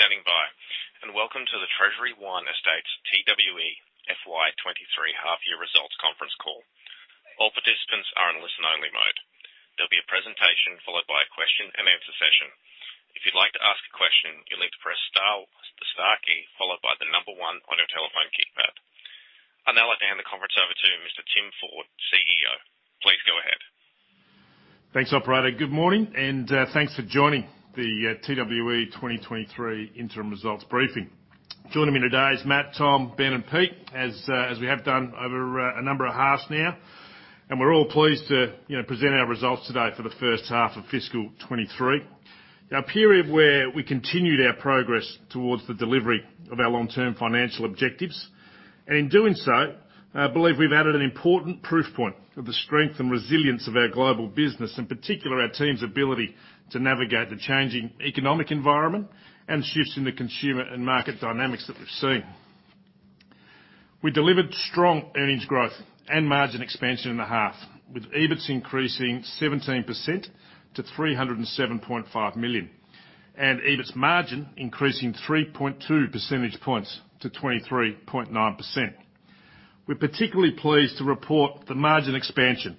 Thank you for standing by, and welcome to the Treasury Wine Estates, TWE FY23 half-year results conference call. All participants are in listen-only mode. There'll be a presentation followed by a question-and-answer session. If you'd like to ask a question, you'll need to press star to star key, followed by the one on your telephone keypad. I'll now hand the conference over to Mr. Tim Ford, CEO. Please go ahead. Thanks, operator. Good morning, and thanks for joining the TWE 2023 interim results briefing. Joining me today is Matt, Tom, Ben and Pete, as we have done over a number of halves now. We're all pleased to, you know, present our results today for the first half of fiscal 2023. A period where we continued our progress towards the delivery of our long-term financial objectives. In doing so, I believe we've added an important proof point of the strength and resilience of our global business, in particular, our team's ability to navigate the changing economic environment and shifts in the consumer and market dynamics that we've seen. We delivered strong earnings growth and margin expansion in the half, with EBITS increasing 17% to 307.5 million, and EBITS margin increasing 3.2 percentage points to 23.9%. We're particularly pleased to report the margin expansion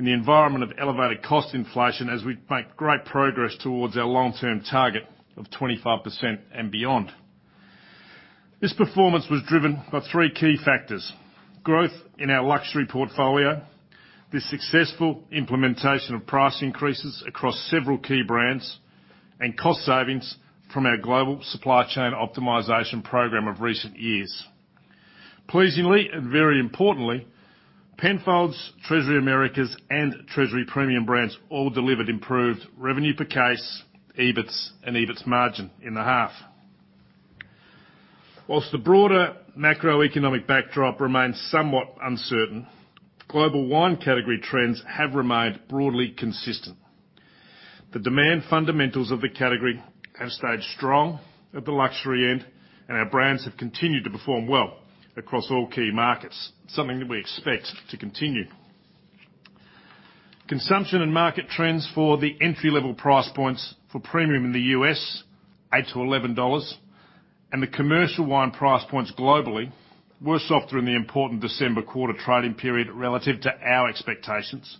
in the environment of elevated cost inflation as we make great progress towards our long-term target of 25% and beyond. This performance was driven by three key factors: growth in our luxury portfolio, the successful implementation of price increases across several key brands, and cost savings from our global supply chain optimization program of recent years. Pleasingly, and very importantly, Penfolds, Treasury Americas, and Treasury Premium Brands all delivered improved revenue per case, EBITS, and EBITS margin in the half. While the broader macroeconomic backdrop remains somewhat uncertain, global wine category trends have remained broadly consistent. The demand fundamentals of the category have stayed strong at the luxury end, and our brands have continued to perform well across all key markets, something that we expect to continue. Consumption and market trends for the entry-level price points for premium in the US, $8-$11, and the commercial wine price points globally, were softer in the important December quarter trading period relative to our expectations,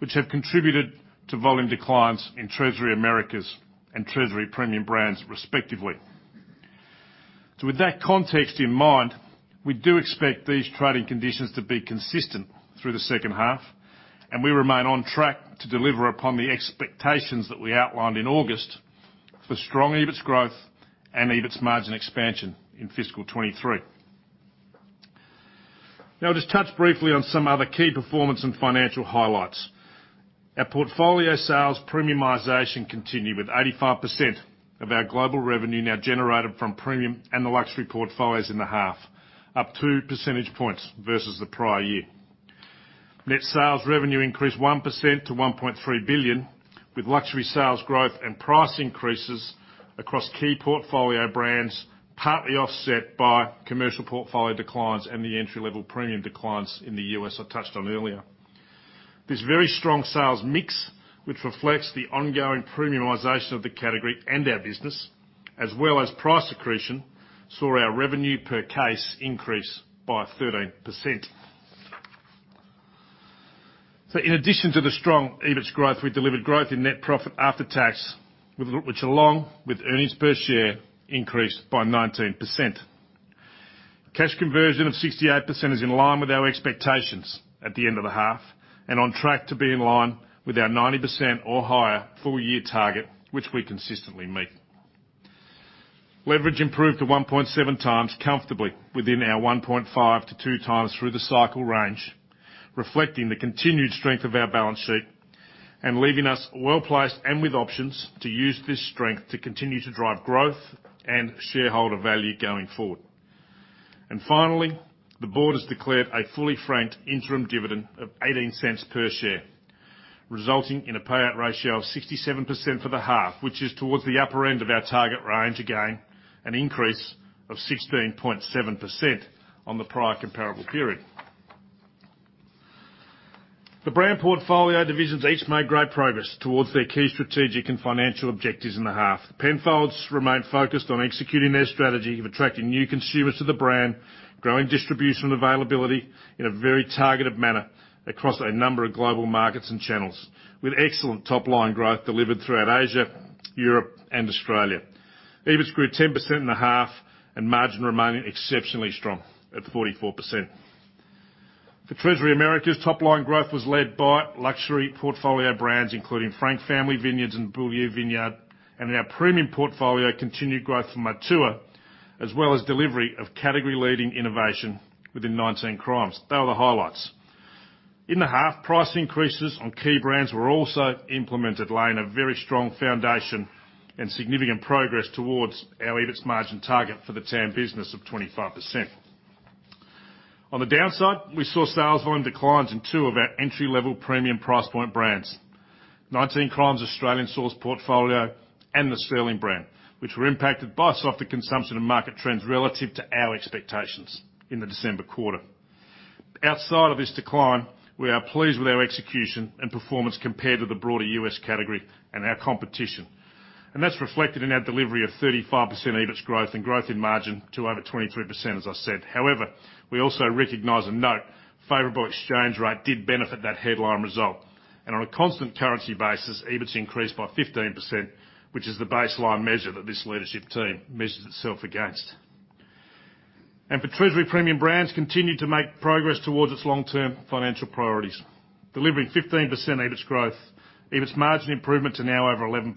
which have contributed to volume declines in Treasury Americas and Treasury Premium Brands respectively. With that context in mind, we do expect these trading conditions to be consistent through the second half, and we remain on track to deliver upon the expectations that we outlined in August for strong EBITS growth and EBITS margin expansion in fiscal 23. Now, I'll just touch briefly on some other key performance and financial highlights. Our portfolio sales premiumization continued, with 85% of our global revenue now generated from premium and the luxury portfolios in the half, up two percentage points versus the prior year. Net sales revenue increased 1% to 1.3 billion, with luxury sales growth and price increases across key portfolio brands, partly offset by commercial portfolio declines and the entry-level premium declines in the US I touched on earlier. This very strong sales mix, which reflects the ongoing premiumization of the category and our business, as well as price accretion, saw our revenue per case increase by 13%. In addition to the strong EBITS growth, we delivered growth in net profit after tax, which along with earnings per share, increased by 19%. Cash conversion of 68% is in line with our expectations at the end of the half, on track to be in line with our 90% or higher full-year target, which we consistently meet. Leverage improved to 1.7x comfortably within our 1.5x-2x through-the-cycle range, reflecting the continued strength of our balance sheet and leaving us well-placed and with options to use this strength to continue to drive growth and shareholder value going forward. Finally, the board has declared a fully franked interim dividend of 0.18 per share, resulting in a payout ratio of 67% for the half, which is towards the upper end of our target range, again, an increase of 16.7% on the prior comparable period. The brand portfolio divisions each made great progress towards their key strategic and financial objectives in the half. Penfolds remained focused on executing their strategy of attracting new consumers to the brand, growing distribution availability in a very targeted manner across a number of global markets and channels. With excellent top-line growth delivered throughout Asia, Europe, and Australia. EBITS grew 10% in the half, margin remaining exceptionally strong at 44%. For Treasury Americas, top-line growth was led by luxury portfolio brands, including Frank Family Vineyards and Beaulieu Vineyard. In our premium portfolio, continued growth from Matua, as well as delivery of category-leading innovation within 19 Crimes. They were the highlights. In the half, price increases on key brands were also implemented, laying a very strong foundation and significant progress towards our EBITS margin target for the TAM business of 25%. On the downside, we saw sales volume declines in two of our entry-level premium price point brands, 19 Crimes Australian Source portfolio and the Sterling brand, which were impacted by softer consumption and market trends relative to our expectations in the December quarter. Outside of this decline, we are pleased with our execution and performance compared to the broader U.S. category and our competition. That's reflected in our delivery of 35% EBIT growth and growth in margin to over 23%, as I said. However, we also recognize and note favorable exchange rate did benefit that headline result. On a constant currency basis, EBIT increased by 15%, which is the baseline measure that this leadership team measures itself against. For Treasury Premium Brands continued to make progress towards its long-term financial priorities, delivering 15% EBIT growth, EBIT margin improvement to now over 11%.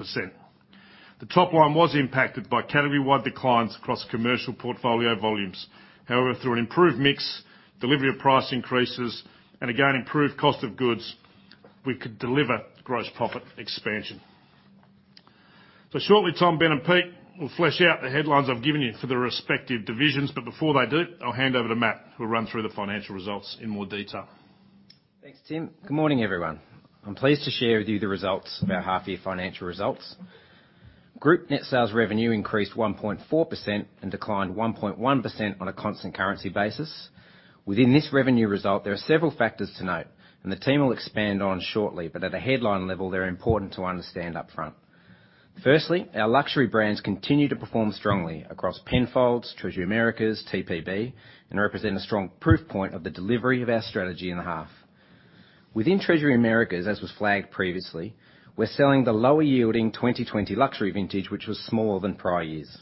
The top line was impacted by category-wide declines across commercial portfolio volumes. However, through an improved mix, delivery of price increases, and again, improved cost of goods, we could deliver gross profit expansion. Shortly, Tom, Ben, and Pete will flesh out the headlines I've given you for the respective divisions. Before they do, I'll hand over to Matt, who will run through the financial results in more detail. Thanks, Tim. Good morning, everyone. I'm pleased to share with you the results, our half-year financial results. Group net sales revenue increased 1.4% and declined 1.1% on a constant currency basis. Within this revenue result, there are several factors to note, and the team will expand on shortly, but at a headline level, they're important to understand up front. Firstly, our luxury brands continue to perform strongly across Penfolds, Treasury Americas, TPB, and represent a strong proof point of the delivery of our strategy in the half. Within Treasury Americas, as was flagged previously, we're selling the lower-yielding 2020 luxury vintage, which was smaller than prior years.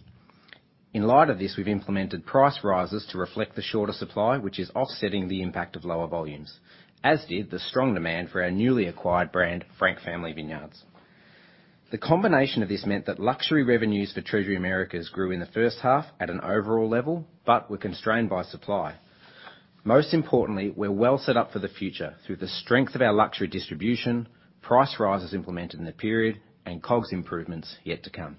In light of this, we've implemented price rises to reflect the shorter supply, which is offsetting the impact of lower volumes, as did the strong demand for our newly acquired brand, Frank Family Vineyards. The combination of this meant that luxury revenues for Treasury Americas grew in the first half at an overall level, but were constrained by supply. Most importantly, we're well set up for the future through the strength of our luxury distribution, price rises implemented in the period, and COGS improvements yet to come.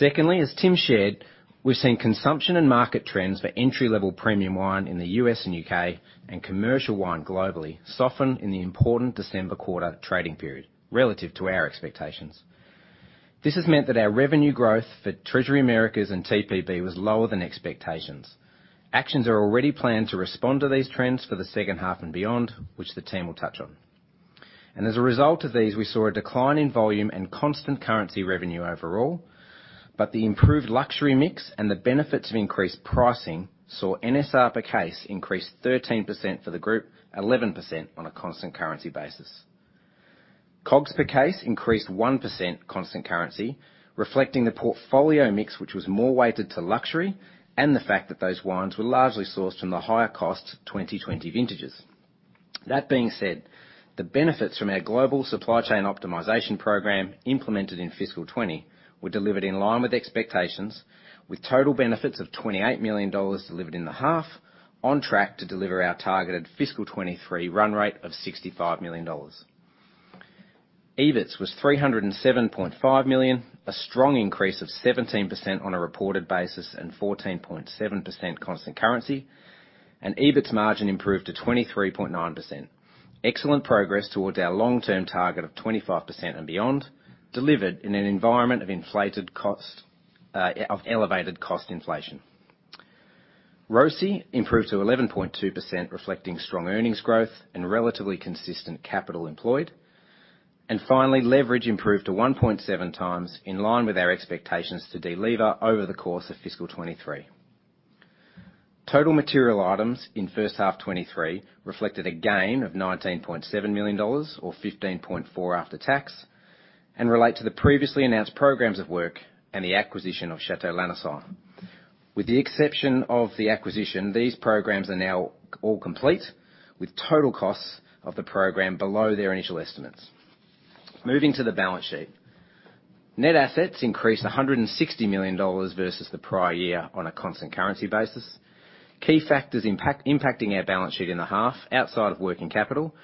As Tim shared, we've seen consumption and market trends for entry-level premium wine in the U.S. and U.K., and commercial wine globally, soften in the important December quarter trading period relative to our expectations. This has meant that our revenue growth for Treasury Americas and TPB was lower than expectations. Actions are already planned to respond to these trends for the second half and beyond, which the team will touch on. As a result of these, we saw a decline in volume and constant currency revenue overall, but the improved luxury mix and the benefit of increased pricing saw NSR per case increase 13% for the group, 11% on a constant currency basis. COGS per case increased 1% constant currency, reflecting the portfolio mix, which was more weighted to luxury, and the fact that those wines were largely sourced from the higher cost 2020 vintages. That being said, the benefits from our global supply chain optimization program implemented in fiscal 2020 were delivered in line with expectations, with total benefits of 28 million dollars delivered in the half, on track to deliver our targeted fiscal 2023 run rate of 65 million dollars. EBIT was 307.5 million, a strong increase of 17% on a reported basis and 14.7% constant currency. EBIT margin improved to 23.9%. Excellent progress towards our long-term target of 25% and beyond, delivered in an environment of inflated cost, of elevated cost inflation. ROCE improved to 11.2%, reflecting strong earnings growth and relatively consistent capital employed. Finally, leverage improved to 1.7 times, in line with our expectations to delever over the course of fiscal 23. Total material items in first half 23 reflected a gain of AUD 19.7 million, or 15.4 after tax, and relate to the previously announced programs of work and the acquisition of Château Lanessan. With the exception of the acquisition, these programs are now all complete with total costs of the program below their initial estimates. Moving to the balance sheet. Net assets increased 160 million dollars versus the prior year on a constant currency basis. Key factors impacting our balance sheet in the half, outside of working capital,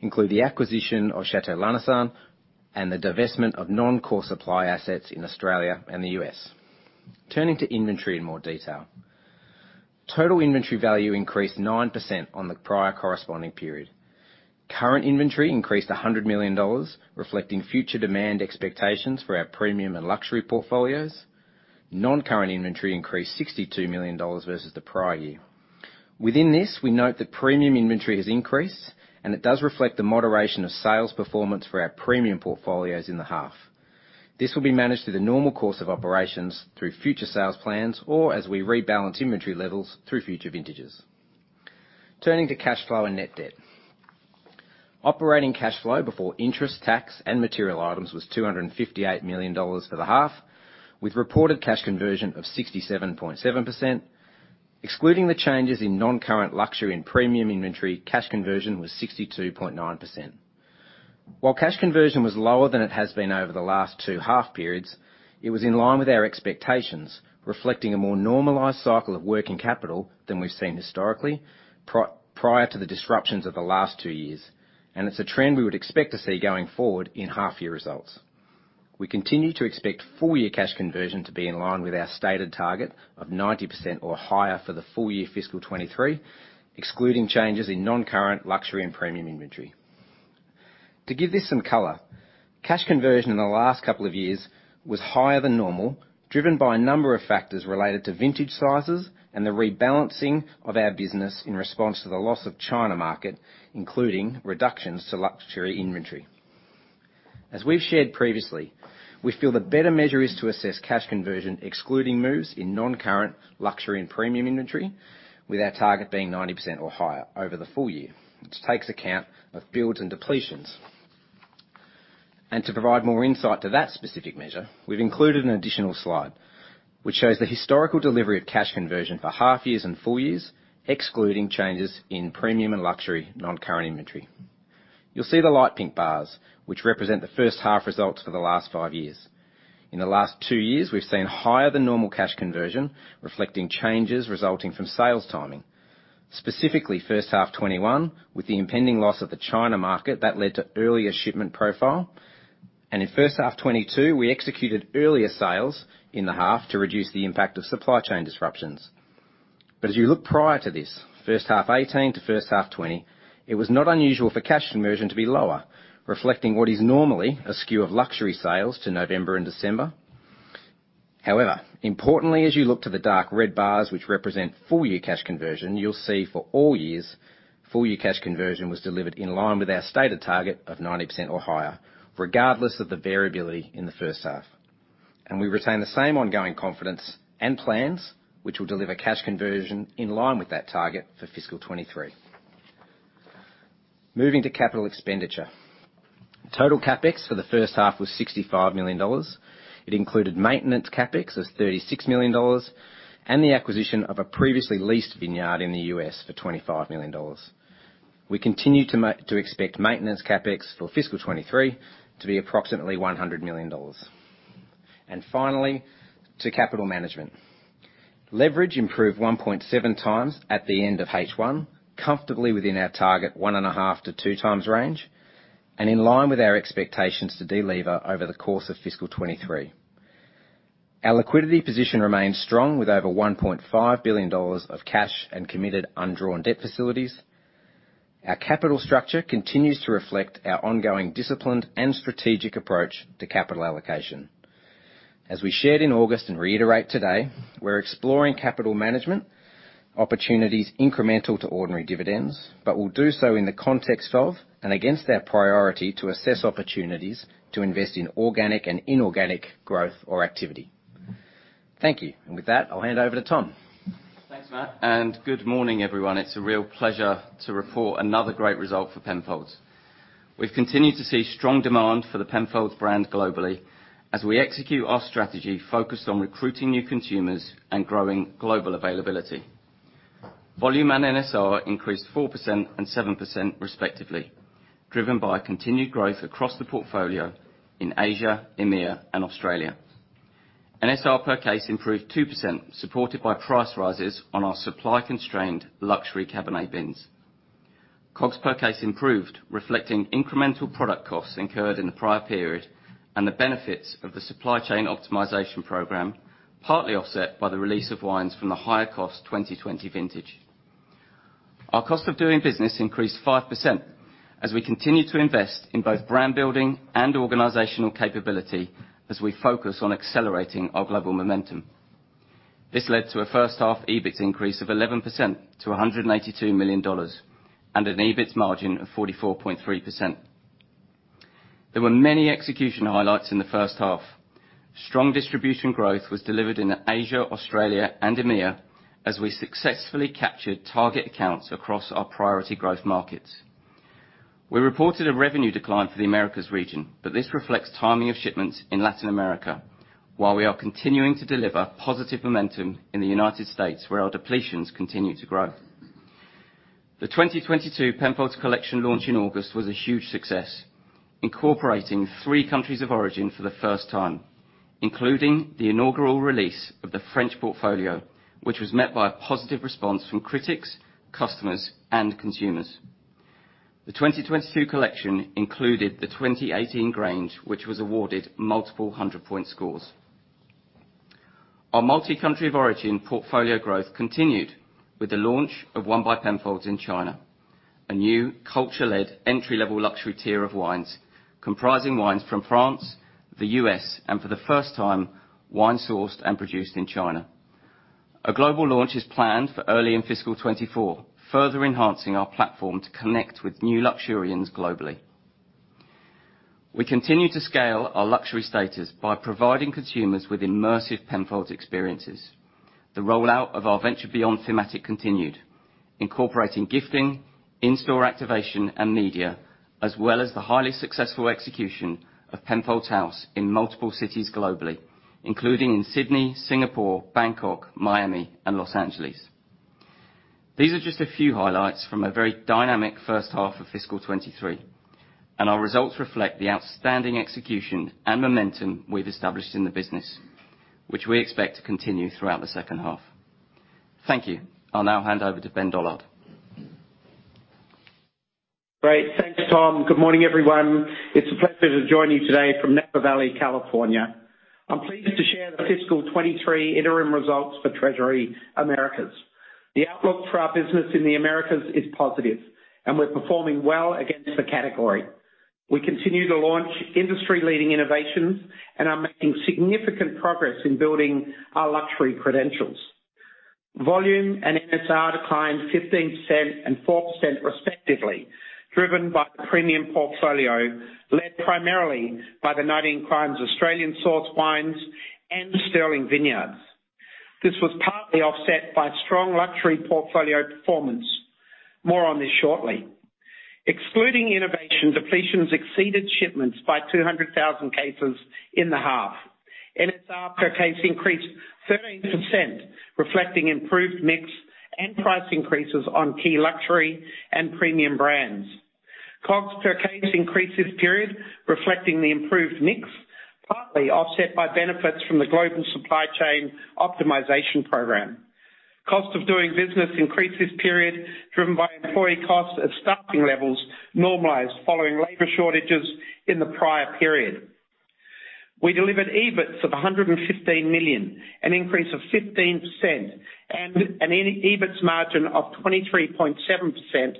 include the acquisition of Château Lanessan and the divestment of non-core supply assets in Australia and the U.S. Turning to inventory in more detail. Total inventory value increased 9% on the prior corresponding period. Current inventory increased 100 million dollars, reflecting future demand expectations for our premium and luxury portfolios. Non-current inventory increased 62 million dollars versus the prior year. Within this, we note that premium inventory has increased, and it does reflect the moderation of sales performance for our premium portfolios in the half. This will be managed through the normal course of operations through future sales plans or as we rebalance inventory levels through future vintages. Turning to cash flow and net debt. Operating cash flow before interest, tax, and material items was 258 million dollars for the half, with reported cash conversion of 67.7%. Excluding the changes in non-current luxury and premium inventory, cash conversion was 62.9%. While cash conversion was lower than it has been over the last two half periods, it was in line with our expectations, reflecting a more normalized cycle of working capital than we've seen historically prior to the disruptions of the last two years. It's a trend we would expect to see going forward in half-year results. We continue to expect full-year cash conversion to be in line with our stated target of 90% or higher for the full year fiscal 2023, excluding changes in non-current luxury and premium inventory. To give this some color, cash conversion in the last couple of years was higher than normal, driven by a number of factors related to vintage sizes and the rebalancing of our business in response to the loss of China market, including reductions to luxury inventory. As we've shared previously, we feel the better measure is to assess cash conversion excluding moves in non-current luxury and premium inventory, with our target being 90% or higher over the full year, which takes account of builds and depletions. To provide more insight to that specific measure, we've included an additional slide which shows the historical delivery of cash conversion for half years and full years, excluding changes in premium and luxury non-current inventory. You'll see the light pink bars, which represent the first half results for the last five years. In the last two years, we've seen higher than normal cash conversion, reflecting changes resulting from sales timing. Specifically, first half 2021, with the impending loss of the China market, that led to earlier shipment profile. In first half 2022, we executed earlier sales in the half to reduce the impact of supply chain disruptions. As you look prior to this, first half 2018 to first half 2020, it was not unusual for cash conversion to be lower, reflecting what is normally a skew of luxury sales to November and December. However, importantly, as you look to the dark red bars, which represent full year cash conversion, you'll see for all years, full year cash conversion was delivered in line with our stated target of 90% or higher, regardless of the variability in the first half. We retain the same ongoing confidence and plans which will deliver cash conversion in line with that target for fiscal 2023. Moving to capital expenditure. Total CapEx for the first half was $65 million. It included maintenance CapEx as $36 million, and the acquisition of a previously leased vineyard in the U.S. for $25 million. We continue to expect maintenance CapEx for fiscal 2023 to be approximately $100 million. Finally, to capital management. Leverage improved 1.7x at the end of H1, comfortably within our target 1.5x-2x range, and in line with our expectations to delever over the course of fiscal 2023. Our liquidity position remains strong with over $1.5 billion of cash and committed undrawn debt facilities. Our capital structure continues to reflect our ongoing disciplined and strategic approach to capital allocation. As we shared in August and reiterate today, we're exploring capital management opportunities incremental to ordinary dividends, but will do so in the context of and against our priority to assess opportunities to invest in organic and inorganic growth or activity. Thank you. With that, I'll hand over to Tom. Thanks, Matt. Good morning, everyone. It's a real pleasure to report another great result for Penfolds. We've continued to see strong demand for the Penfolds brand globally as we execute our strategy focused on recruiting new consumers and growing global availability. Volume and NSR increased 4% and 7% respectively, driven by continued growth across the portfolio in Asia, EMEA, and Australia. NSR per case improved 2%, supported by price rises on our supply-constrained luxury Cabernet bins. COGS per case improved, reflecting incremental product costs incurred in the prior period and the benefits of the supply chain optimization program, partly offset by the release of wines from the higher cost 2020 vintage. Our cost of doing business increased 5% as we continue to invest in both brand building and organizational capability as we focus on accelerating our global momentum. This led to a first half EBIT increase of 11% to AUD 182 million and an EBIT margin of 44.3%. There were many execution highlights in the first half. Strong distribution growth was delivered in Asia, Australia, and EMEA as we successfully captured target accounts across our priority growth markets. We reported a revenue decline for the Americas region, but this reflects timing of shipments in Latin America while we are continuing to deliver positive momentum in the United States, where our depletions continue to grow. The 2022 Penfolds collection launch in August was a huge success, incorporating three countries of origin for the first time, including the inaugural release of the French portfolio, which was met by a positive response from critics, customers, and consumers. The 2022 collection included the 2018 Grange, which was awarded multiple 100-point scores. Our multi-country of origin portfolio growth continued with the launch of One by Penfolds in China, a new culture-led entry-level luxury tier of wines comprising wines from France, the U.S., and for the first time, wine sourced and produced in China. A global launch is planned for early in fiscal 2024, further enhancing our platform to connect with new luxurians globally. We continue to scale our luxury status by providing consumers with immersive Penfolds experiences. The rollout of our Venture Beyond thematic continued, incorporating gifting, in-store activation, and media, as well as the highly successful execution of Penfolds House in multiple cities globally, including in Sydney, Singapore, Bangkok, Miami, and Los Angeles. These are just a few highlights from a very dynamic first half of fiscal 2023, and our results reflect the outstanding execution and momentum we've established in the business, which we expect to continue throughout the second half. Thank you. I'll now hand over to Ben Dollard. Great. Thanks, Tom. Good morning, everyone. It's a pleasure to join you today from Napa Valley, California. I'm pleased to share the fiscal 2023 interim results for Treasury Americas. The outlook for our business in the Americas is positive, and we're performing well against the category. We continue to launch industry-leading innovations and are making significant progress in building our luxury credentials. Volume and NSR declined 15% and 4% respectively, driven by the premium portfolio, led primarily by the 19 Crimes Australian Source wines and Sterling Vineyards. This was partly offset by strong luxury portfolio performance. More on this shortly. Excluding innovation, depletions exceeded shipments by 200,000 cases in the half. NSR per case increased 13%, reflecting improved mix and price increases on key luxury and premium brands. COGS per case increased this period, reflecting the improved mix, partly offset by benefits from the global supply chain optimization program. Cost of doing business increased this period, driven by employee costs as staffing levels normalized following labor shortages in the prior period. We delivered EBITS of 115 million, an increase of 15% and an EBITS margin of 23.7%.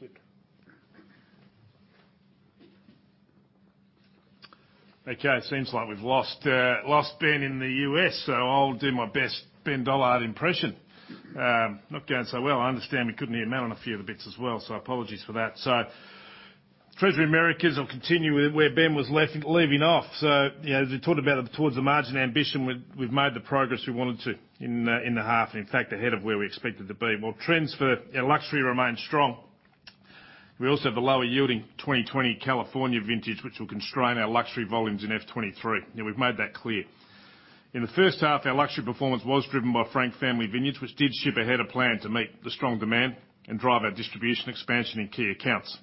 Where are we in the script? Okay, it seems like we've lost lost Ben in the U.S., I'll do my best Ben Dollard impression. Not going so well. I understand we couldn't hear Matt on a few of the bits as well, so apologies for that. Treasury Americas, I'll continue where Ben was leaving off. You know, as we talked about towards the margin ambition, we've made the progress we wanted to in the half, and in fact, ahead of where we expected to be. While trends for our luxury remain strong, we also have a lower yielding 2020 California vintage which will constrain our luxury volumes in F23. You know, we've made that clear. In the first half, our luxury performance was driven by Frank Family Vineyards, which did ship ahead of plan to meet the strong demand and drive our distribution expansion in key accounts.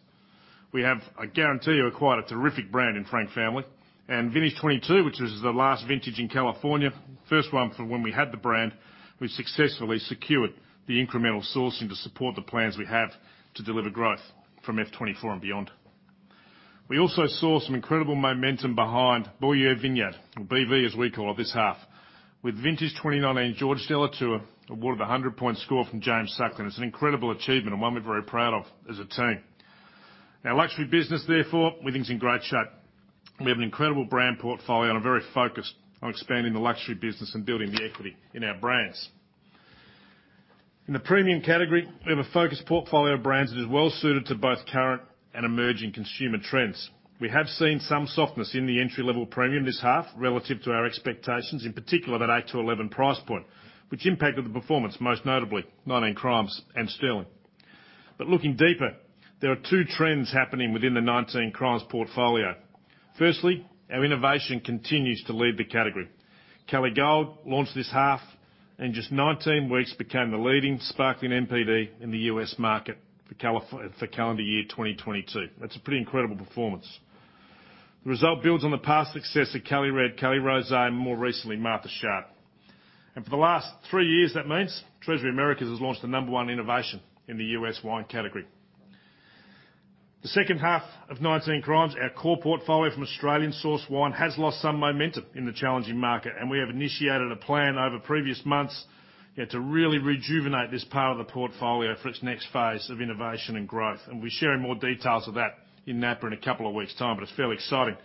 We have, I guarantee you, acquired a terrific brand in Frank Family. Vintage 22, which was the last vintage in California, first one from when we had the brand, we successfully secured the incremental sourcing to support the plans we have to deliver growth from F 24 and beyond. We also saw some incredible momentum behind Beaulieu Vineyard, or BV, as we call it, this half. With vintage 2019 Georges de Latour awarded a 100-point score from James Suckling. It's an incredible achievement and one we're very proud of as a team. Our luxury business therefore, we think is in great shape. We have an incredible brand portfolio and are very focused on expanding the luxury business and building the equity in our brands. In the premium category, we have a focused portfolio of brands that is well-suited to both current and emerging consumer trends. We have seen some softness in the entry-level premium this half relative to our expectations, in particular that 8-11 price point, which impacted the performance, most notably 19 Crimes and Sterling. Looking deeper, there are two trends happening within the 19 Crimes portfolio. Firstly, our innovation continues to lead the category. Cali Gold launched this half, in just 19 weeks, became the leading sparkling NPD in the U.S. market for calendar year 2022. That's a pretty incredible performance. The result builds on the past success of Cali Red, Cali Rosé, and more recently, Martha's Chard. For the last three years, that means Treasury Americas has launched the number 1 innovation in the U.S. wine category. The second half of 19 Crimes, our core portfolio from Australian Source wine, has lost some momentum in the challenging market, and we have initiated a plan over previous months, yeah, to really rejuvenate this part of the portfolio for its next phase of innovation and growth. We share more details of that in Napa in a couple of weeks' time, but it's fairly exciting,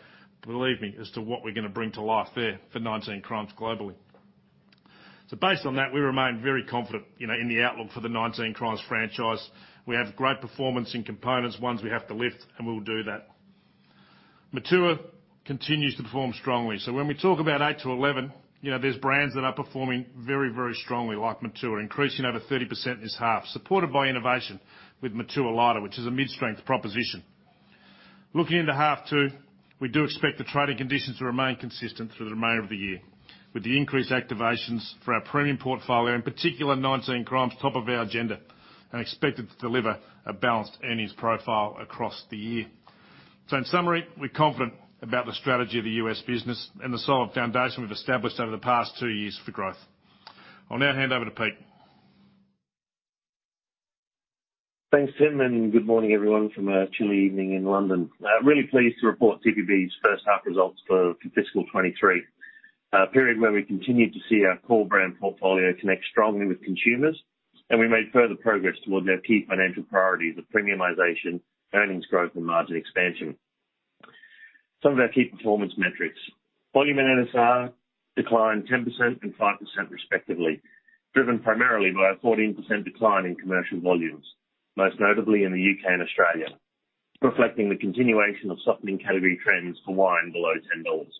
believe me, as to what we're gonna bring to life there for 19 Crimes globally. Based on that, we remain very confident, you know, in the outlook for the 19 Crimes franchise. We have great performance in components, ones we have to lift, and we'll do that. Matua continues to perform strongly. When we talk about 8-11, you know, there's brands that are performing very, very strongly, like Matua, increasing over 30% this half, supported by innovation with Matua Lighter, which is a mid-strength proposition. Looking into half two, we do expect the trading conditions to remain consistent through the remainder of the year with the increased activations for our premium portfolio, in particular 19 Crimes, top of our agenda and expected to deliver a balanced earnings profile across the year. In summary, we're confident about the strategy of the U.S. business and the solid foundation we've established over the past two years for growth. I'll now hand over to Pete. Thanks, Tim. Good morning, everyone, from a chilly evening in London. Really pleased to report TPB's first half results for fiscal 2023. A period where we continued to see our core brand portfolio connect strongly with consumers, and we made further progress towards our key financial priorities of premiumization, earnings growth, and margin expansion. Some of our key performance metrics. Volume and NSR declined 10% and 5% respectively, driven primarily by a 14% decline in commercial volumes, most notably in the U.K. and Australia, reflecting the continuation of softening category trends for wine below 10 dollars.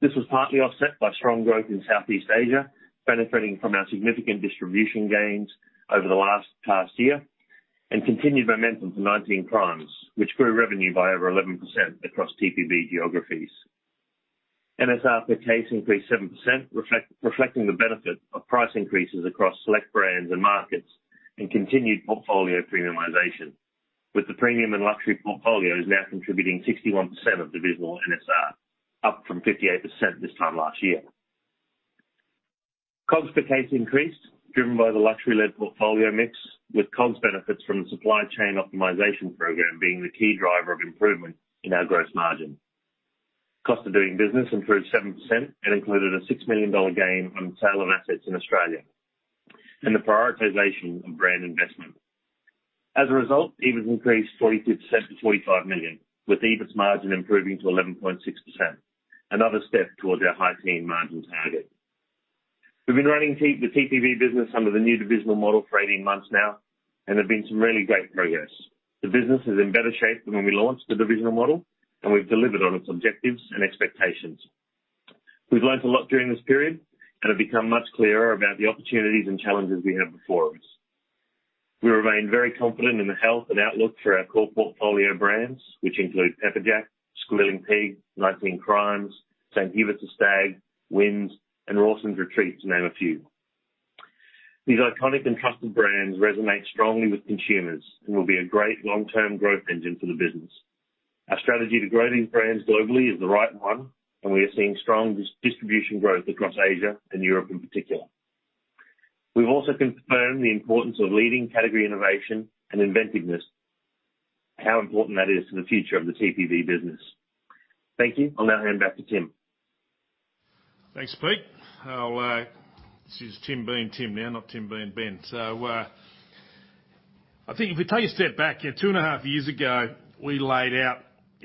This was partly offset by strong growth in Southeast Asia, benefiting from our significant distribution gains over the last past year and continued momentum for 19 Crimes, which grew revenue by over 11% across TPB geographies. NSR per case increased 7%, reflecting the benefit of price increases across select brands and markets and continued portfolio premiumization, with the premium and luxury portfolios now contributing 61% of divisional NSR, up from 58% this time last year. COGS per case increased, driven by the luxury-led portfolio mix, with COGS benefits from the supply chain optimization program being the key driver of improvement in our gross margin. Cost of doing business improved 7% and included a 6 million dollar gain on the sale of assets in Australia and the prioritization of brand investment. As a result, EBIT increased 22% to 25 million, with EBITS margin improving to 11.6%, another step towards our high teen margins target. We've been running the TPB business under the new divisional model for 18 months now, and there have been some really great progress. The business is in better shape than when we launched the divisional model, and we've delivered on its objectives and expectations. We've learned a lot during this period and have become much clearer about the opportunities and challenges we have before us. We remain very confident in the health and outlook for our core portfolio brands, which include Pepperjack, Squealing Pig, 19 Crimes, St Hubert's The Stag, Wynns, and Rawson's Retreat, to name a few. These iconic and trusted brands resonate strongly with consumers and will be a great long-term growth engine for the business. Our strategy to grow these brands globally is the right one, and we are seeing strong distribution growth across Asia and Europe in particular. We've also confirmed the importance of leading category innovation and inventiveness, how important that is to the future of the TPB business. Thank you. I'll now hand back to Tim. Thanks, Pete. I'll, this is Tim being Tim now, not Tim being Ben. I think if we take a step back, 2.5 years ago, we laid out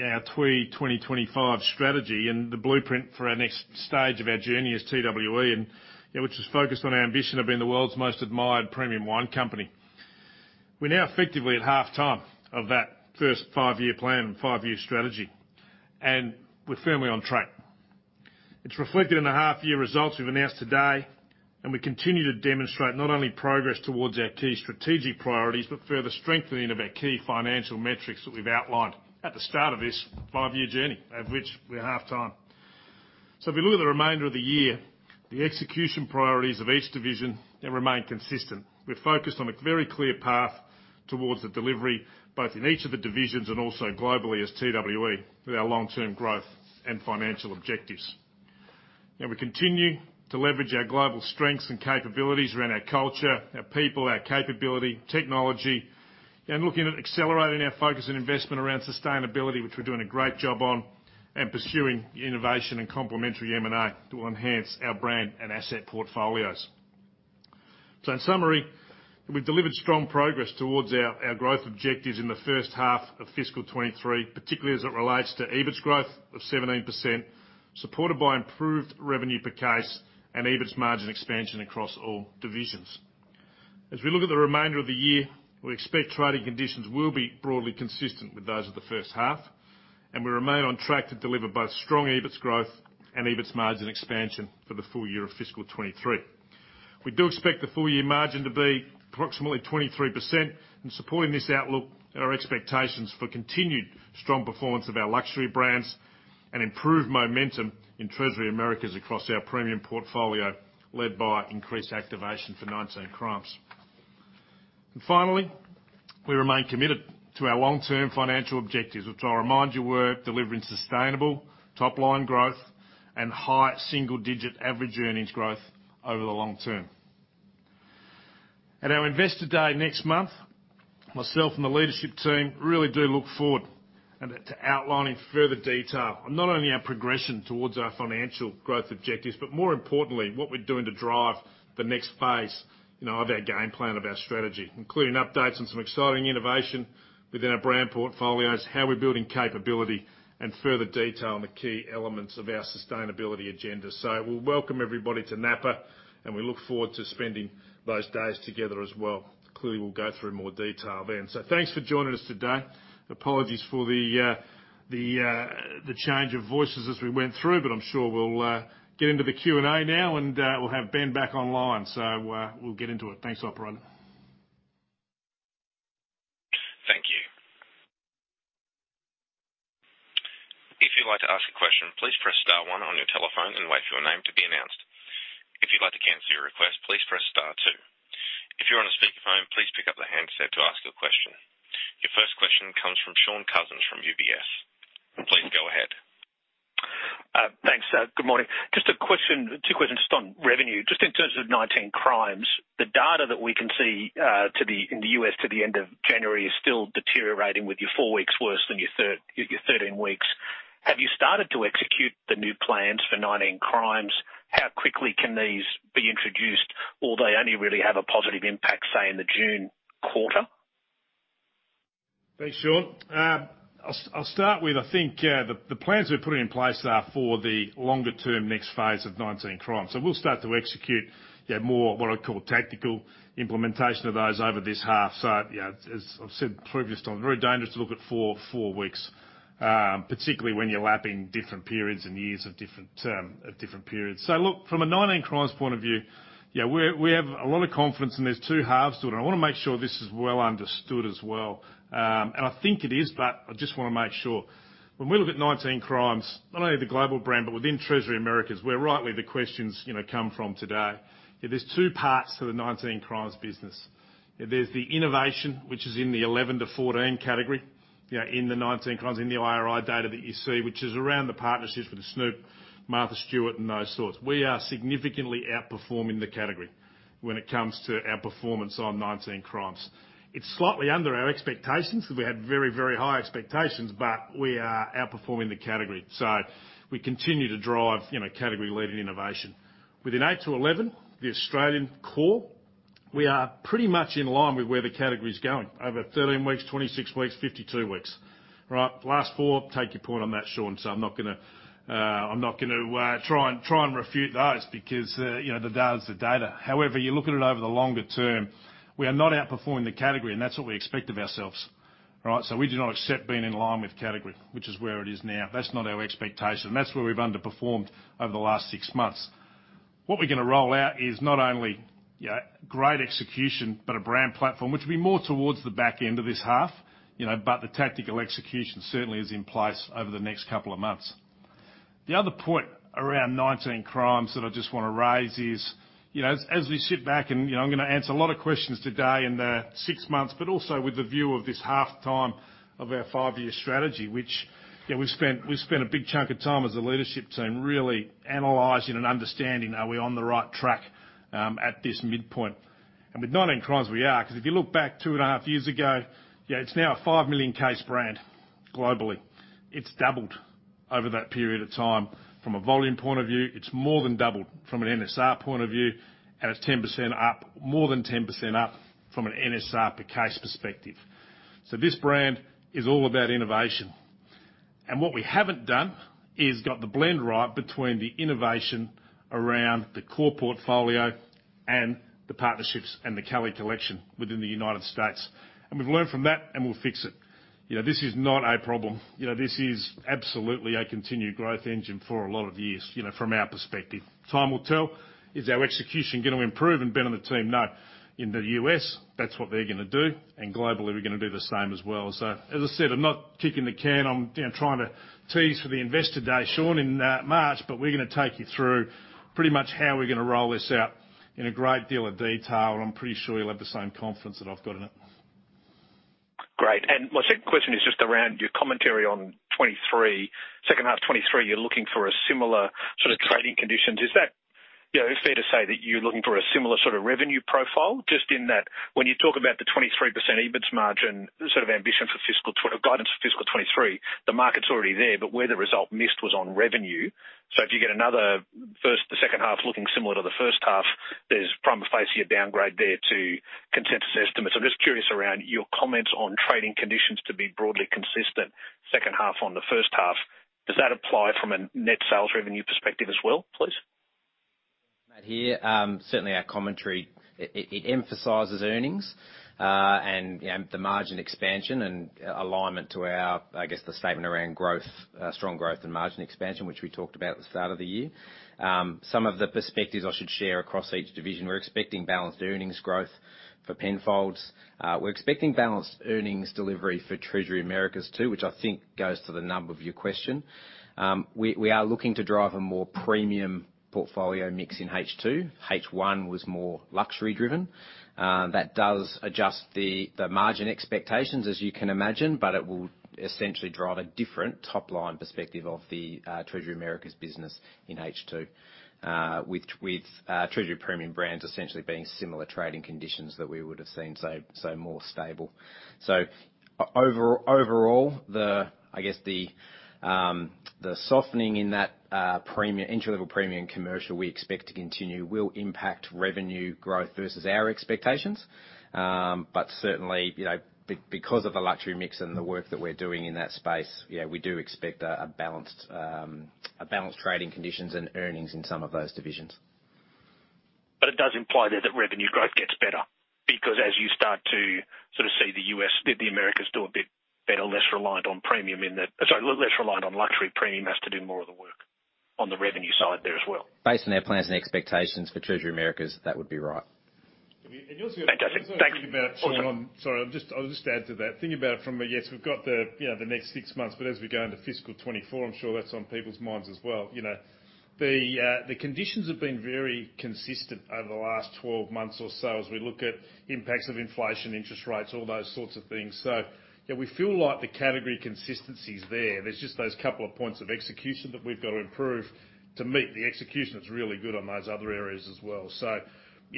our TWE 2025 strategy and the blueprint for our next stage of our journey as TWE, you know, which was focused on our ambition of being the world's most admired premium wine company. We're now effectively at half-time of that first 5-year plan and 5-year strategy, we're firmly on track. It's reflected in the half-year results we've announced today, we continue to demonstrate not only progress towards our key strategic priorities, but further strengthening of our key financial metrics that we've outlined at the start of this 5-year journey, of which we're at half-time. If we look at the remainder of the year, the execution priorities of each division, they remain consistent. We're focused on a very clear path towards the delivery, both in each of the divisions and also globally as TWE with our long-term growth and financial objectives. We continue to leverage our global strengths and capabilities around our culture, our people, our capability, technology, and looking at accelerating our focus and investment around sustainability, which we're doing a great job on, and pursuing innovation and complementary M&A to enhance our brand and asset portfolios. In summary, we've delivered strong progress towards our growth objectives in the first half of fiscal 23, particularly as it relates to EBITS growth of 17%, supported by improved revenue per case and EBITS margin expansion across all divisions. As we look at the remainder of the year, we expect trading conditions will be broadly consistent with those of the first half. We remain on track to deliver both strong EBITS growth and EBITS margin expansion for the full year of fiscal 2023. We do expect the full year margin to be approximately 23%. In supporting this outlook are our expectations for continued strong performance of our luxury brands and improved momentum in Treasury Americas across our premium portfolio, led by increased activation for 19 Crimes. Finally, we remain committed to our long-term financial objectives, which I remind you, we're delivering sustainable top-line growth and high single-digit average earnings growth over the long term. At our Investor Day next month, myself and the leadership team really do look forward to outlining further detail on not only our progression towards our financial growth objectives, but more importantly, what we're doing to drive the next phase, you know, of our game plan, of our strategy, including updates on some exciting innovation within our brand portfolios, how we're building capability and further detail on the key elements of our sustainability agenda. We'll welcome everybody to Napa, and we look forward to spending those days together as well. Clearly, we'll go through more detail then. Thanks for joining us today. Apologies for the change of voices as we went through, but I'm sure we'll get into the Q&A now, and we'll have Ben back online. We'll get into it. Thanks, operator. Thank you. If you'd like to ask a question, please press star one on your telephone and wait for your name to be announced. If you'd like to cancel your request, please press star two. If you're on a speakerphone, please pick up the handset to ask your question. Your first question comes from Shaun Cousins from UBS. Please go ahead. Thanks. Good morning. Just a question, two questions just on revenue. Just in terms of 19 Crimes, the data that we can see in the U.S. to the end of January is still deteriorating with your four weeks worse than your 13 weeks. Have you started to execute the new plans for 19 Crimes? How quickly can these be introduced? Or they only really have a positive impact, say, in the June quarter? Thanks, Shaun. I'll start with, I think, the plans we're putting in place are for the longer-term next phase of 19 Crimes. We'll start to execute, yeah, more what I call tactical implementation of those over this half. You know, as I've said previous times, very dangerous to look at 4 weeks, particularly when you're lapping different periods and years of different periods. Look, from a 19 Crimes point of view, yeah, we have a lot of confidence, and there's 2 halves to it. I wanna make sure this is well understood as well. And I think it is, but I just wanna make sure. When we look at 19 Crimes, not only the global brand, but within Treasury Americas, where rightly the questions, you know, come from today. There's two parts to the 19 Crimes business. There's the innovation, which is in the 11-14 category. Yeah, in the 19 Crimes in the IRI data that you see, which is around the partnerships with Snoop, Martha Stewart, and those sorts. We are significantly outperforming the category when it comes to our performance on 19 Crimes. It's slightly under our expectations because we had very, very high expectations, but we are outperforming the category. We continue to drive, you know, category-leading innovation. Within 8-11, the Australian core, we are pretty much in line with where the category is going over 13 weeks, 26 weeks, 52 weeks. Right. Last four, take your point on that, Shaun, I'm not gonna, I'm not gonna try and refute those because, you know, the data is the data. However, you look at it over the longer term, we are not outperforming the category, and that's what we expect of ourselves. All right. We do not accept being in line with category, which is where it is now. That's not our expectation. That's where we've underperformed over the last six months. What we're gonna roll out is not only, you know, great execution but a brand platform, which will be more towards the back end of this half, you know. The tactical execution certainly is in place over the next couple of months. The other point around 19 Crimes that I just want to raise is, you know, as we sit back and, you know, I'm gonna answer a lot of questions today in the six months, but also with the view of this half-time of our five year strategy, which, you know, we've spent a big chunk of time as a leadership team really analyzing and understanding, are we on the right track at this midpoint? With 19 Crimes, we are. Because if you look back 2.5 years ago, you know, it's now a 5 million case brand globally. It's doubled over that period of time from a volume point of view. It's more than doubled from an NSR point of view, and it's 10% up, more than 10% up from an NSR per case perspective. This brand is all about innovation. What we haven't done is got the blend right between the innovation around the core portfolio and the partnerships and the Cali Collection within the United States. We've learned from that, and we'll fix it. You know, this is not a problem. You know, this is absolutely a continued growth engine for a lot of years, you know, from our perspective. Time will tell, is our execution gonna improve? Ben and the team know in the U.S. that's what they're gonna do, and globally we're gonna do the same as well. As I said, I'm not kicking the can. I'm, you know, trying to tease for the investor day, Shaun, in March, but we're gonna take you through pretty much how we're gonna roll this out in a great deal of detail. I'm pretty sure you'll have the same confidence that I've got in it. Great. My second question is just around your commentary on 2023, second half of 2023, you're looking for a similar sort of trading conditions. Is that you know, is it fair to say that you're looking for a similar sort of revenue profile? Just in that when you talk about the 23% EBITS margin sort of ambition for fiscal guidance for fiscal 2023, the market's already there. Where the result missed was on revenue. If you get another first the second half looking similar to the first half, there's prima facie a downgrade there to consensus estimates. I'm just curious around your comments on trading conditions to be broadly consistent second half on the first half. Does that apply from a net sales revenue perspective as well, please? Matt here. Certainly our commentary, it emphasizes earnings, and, you know, the margin expansion and alignment to our, I guess, the statement around growth, strong growth and margin expansion, which we talked about at the start of the year. Some of the perspectives I should share across each division. We're expecting balanced earnings growth for Penfolds. We're expecting balanced earnings delivery for Treasury Americas too, which I think goes to the nub of your question. We are looking to drive a more premium portfolio mix in H2. H1 was more luxury driven. That does adjust the margin expectations, as you can imagine, but it will essentially drive a different top-line perspective of the Treasury Americas business in H2, with Treasury Premium Brands essentially being similar trading conditions that we would have seen, so more stable. Overall, the, I guess, the softening in that premium entry-level premium commercial we expect to continue will impact revenue growth versus our expectations. Certainly, you know, because of the luxury mix and the work that we're doing in that space, you know, we do expect a balanced trading conditions and earnings in some of those divisions. It does imply there that revenue growth gets better because as you start to sort of see the Americas do a bit better, less reliant on luxury, premium has to do more of the work on the revenue side there as well. Based on our plans and expectations for Treasury Americas, that would be right. Fantastic. Thank you. You also got to think about, Shaun. Okay. Sorry, I'll just add to that. Think about it from a, yes, we've got the six months, as we go into fiscal 2024, I'm sure that's on people's minds as well. The conditions have been very consistent over the last 12 months or so as we look at impacts of inflation, interest rates, all those sorts of things. We feel like the category consistency is there. There's just those couple of points of execution that we've got to improve to meet the execution that's really good on those other areas as well.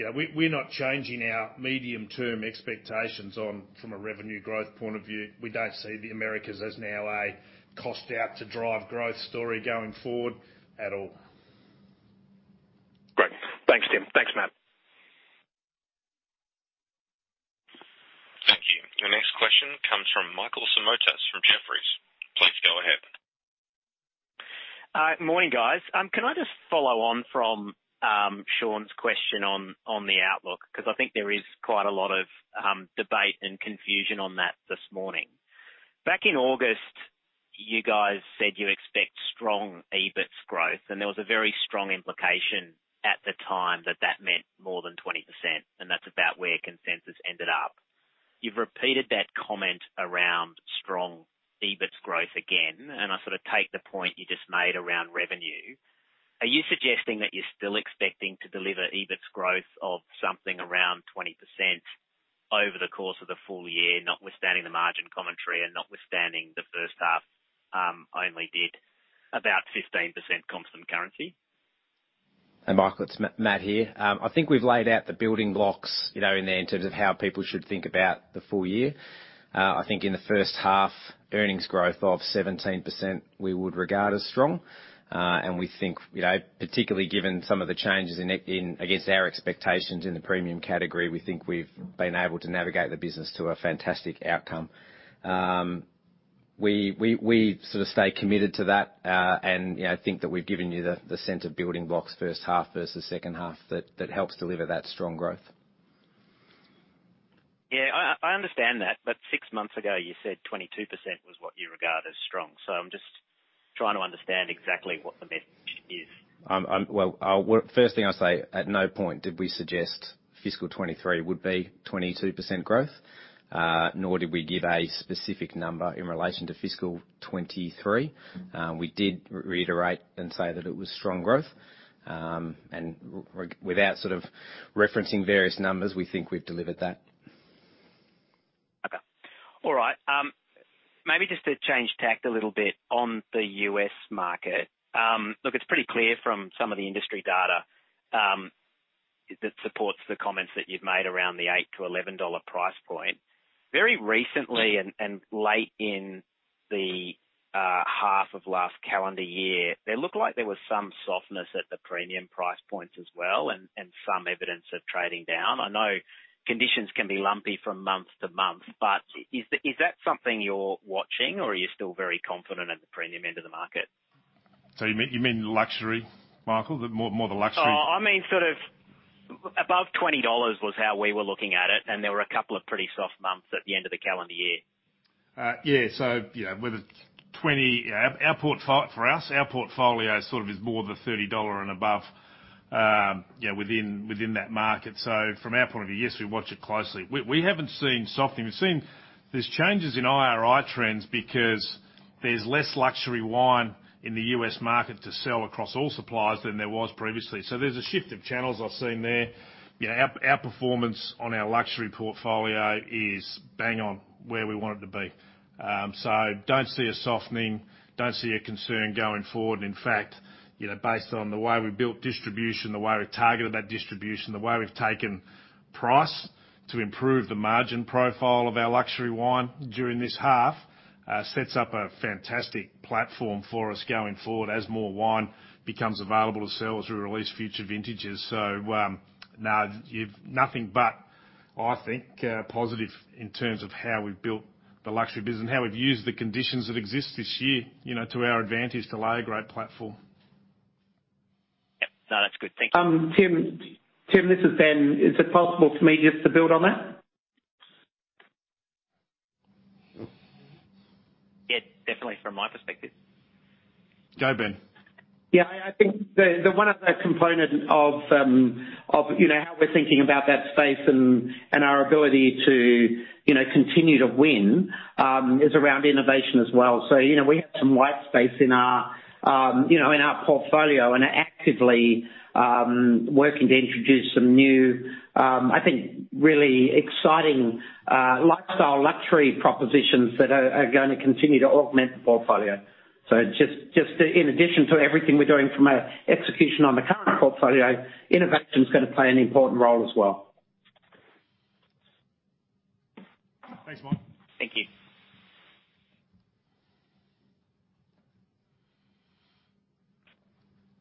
We're not changing our medium-term expectations on from a revenue growth point of view. We don't see the Americas as now a cost-out to drive growth story going forward at all. Great. Thanks, Tim. Thanks, Matt. Thank you. The next question comes from Michael Simotas from Jefferies. Please go ahead. Morning, guys. Can I just follow on from Shaun's question on the outlook? Because I think there is quite a lot of debate and confusion on that this morning. Back in August, you guys said you expect strong EBITS growth, and there was a very strong implication at the time that that meant more than 20%, and that's about where consensus ended up. You've repeated that comment around strong EBITS growth again, and I sort of take the point you just made around revenue. Are you suggesting that you're still expecting to deliver EBITS growth of something around 20% over the course of the full year, notwithstanding the margin commentary and notwithstanding the first half, only did about 15% constant currency? Hey, Michael, it's Matt here. I think we've laid out the building blocks, you know, in there in terms of how people should think about the full year. I think in the first half, earnings growth of 17% we would regard as strong. We think, you know, particularly given some of the changes in against our expectations in the premium category, we think we've been able to navigate the business to a fantastic outcome. We sort of stay committed to that, you know, think that we've given you the sense of building blocks first half versus second half that helps deliver that strong growth. I understand that. Six months ago, you said 22% was what you regard as strong. I'm just trying to understand exactly what the message is. Well, first thing I'll say, at no point did we suggest fiscal 23 would be 22% growth, nor did we give a specific number in relation to fiscal 23. We did reiterate and say that it was strong growth. Without sort of referencing various numbers, we think we've delivered that. Okay. All right. Maybe just to change tact a little bit on the U.S. market. Look, it's pretty clear from some of the industry data that supports the comments that you've made around the $8-$11 price point. Very recently and late in the half of last calendar year, there looked like there was some softness at the premium price points as well and some evidence of trading down. I know conditions can be lumpy from month to month, but is that something you're watching, or are you still very confident at the premium end of the market? You, you mean the luxury, Michael? The more, more the luxury? I mean, sort of above $20 was how we were looking at it. There were a couple of pretty soft months at the end of the calendar year. Yeah. You know, whether 20... For us, our portfolio sort of is more the $30 and above, you know, within that market. From our point of view, yes, we watch it closely. We haven't seen softening. We've seen there's changes in IRI trends because there's less luxury wine in the U.S. market to sell across all suppliers than there was previously. There's a shift of channels I've seen there. You know, our performance on our luxury portfolio is bang on where we want it to be. Don't see a softening, don't see a concern going forward. In fact, you know, based on the way we built distribution, the way we targeted that distribution, the way we've taken price to improve the margin profile of our luxury wine during this half, sets up a fantastic platform for us going forward as more wine becomes available to sell as we release future vintages. No, you've nothing but, I think, positive in terms of how we've built the luxury business and how we've used the conditions that exist this year, you know, to our advantage to lay a great platform. Yep. No, that's good. Thank you. Tim, this is Ben. Is it possible for me just to build on that? Yeah, definitely from my perspective. Go, Ben. Yeah, I think the one other component of, you know, how we're thinking about that space and our ability to, you know, continue to win, is around innovation as well. You know, we have some white space in our, you know, in our portfolio and are actively working to introduce some new, I think, really exciting, lifestyle luxury propositions that are gonna continue to augment the portfolio. Just in addition to everything we're doing from a execution on the current portfolio, innovation's gonna play an important role as well. Thanks, Michael. Thank you.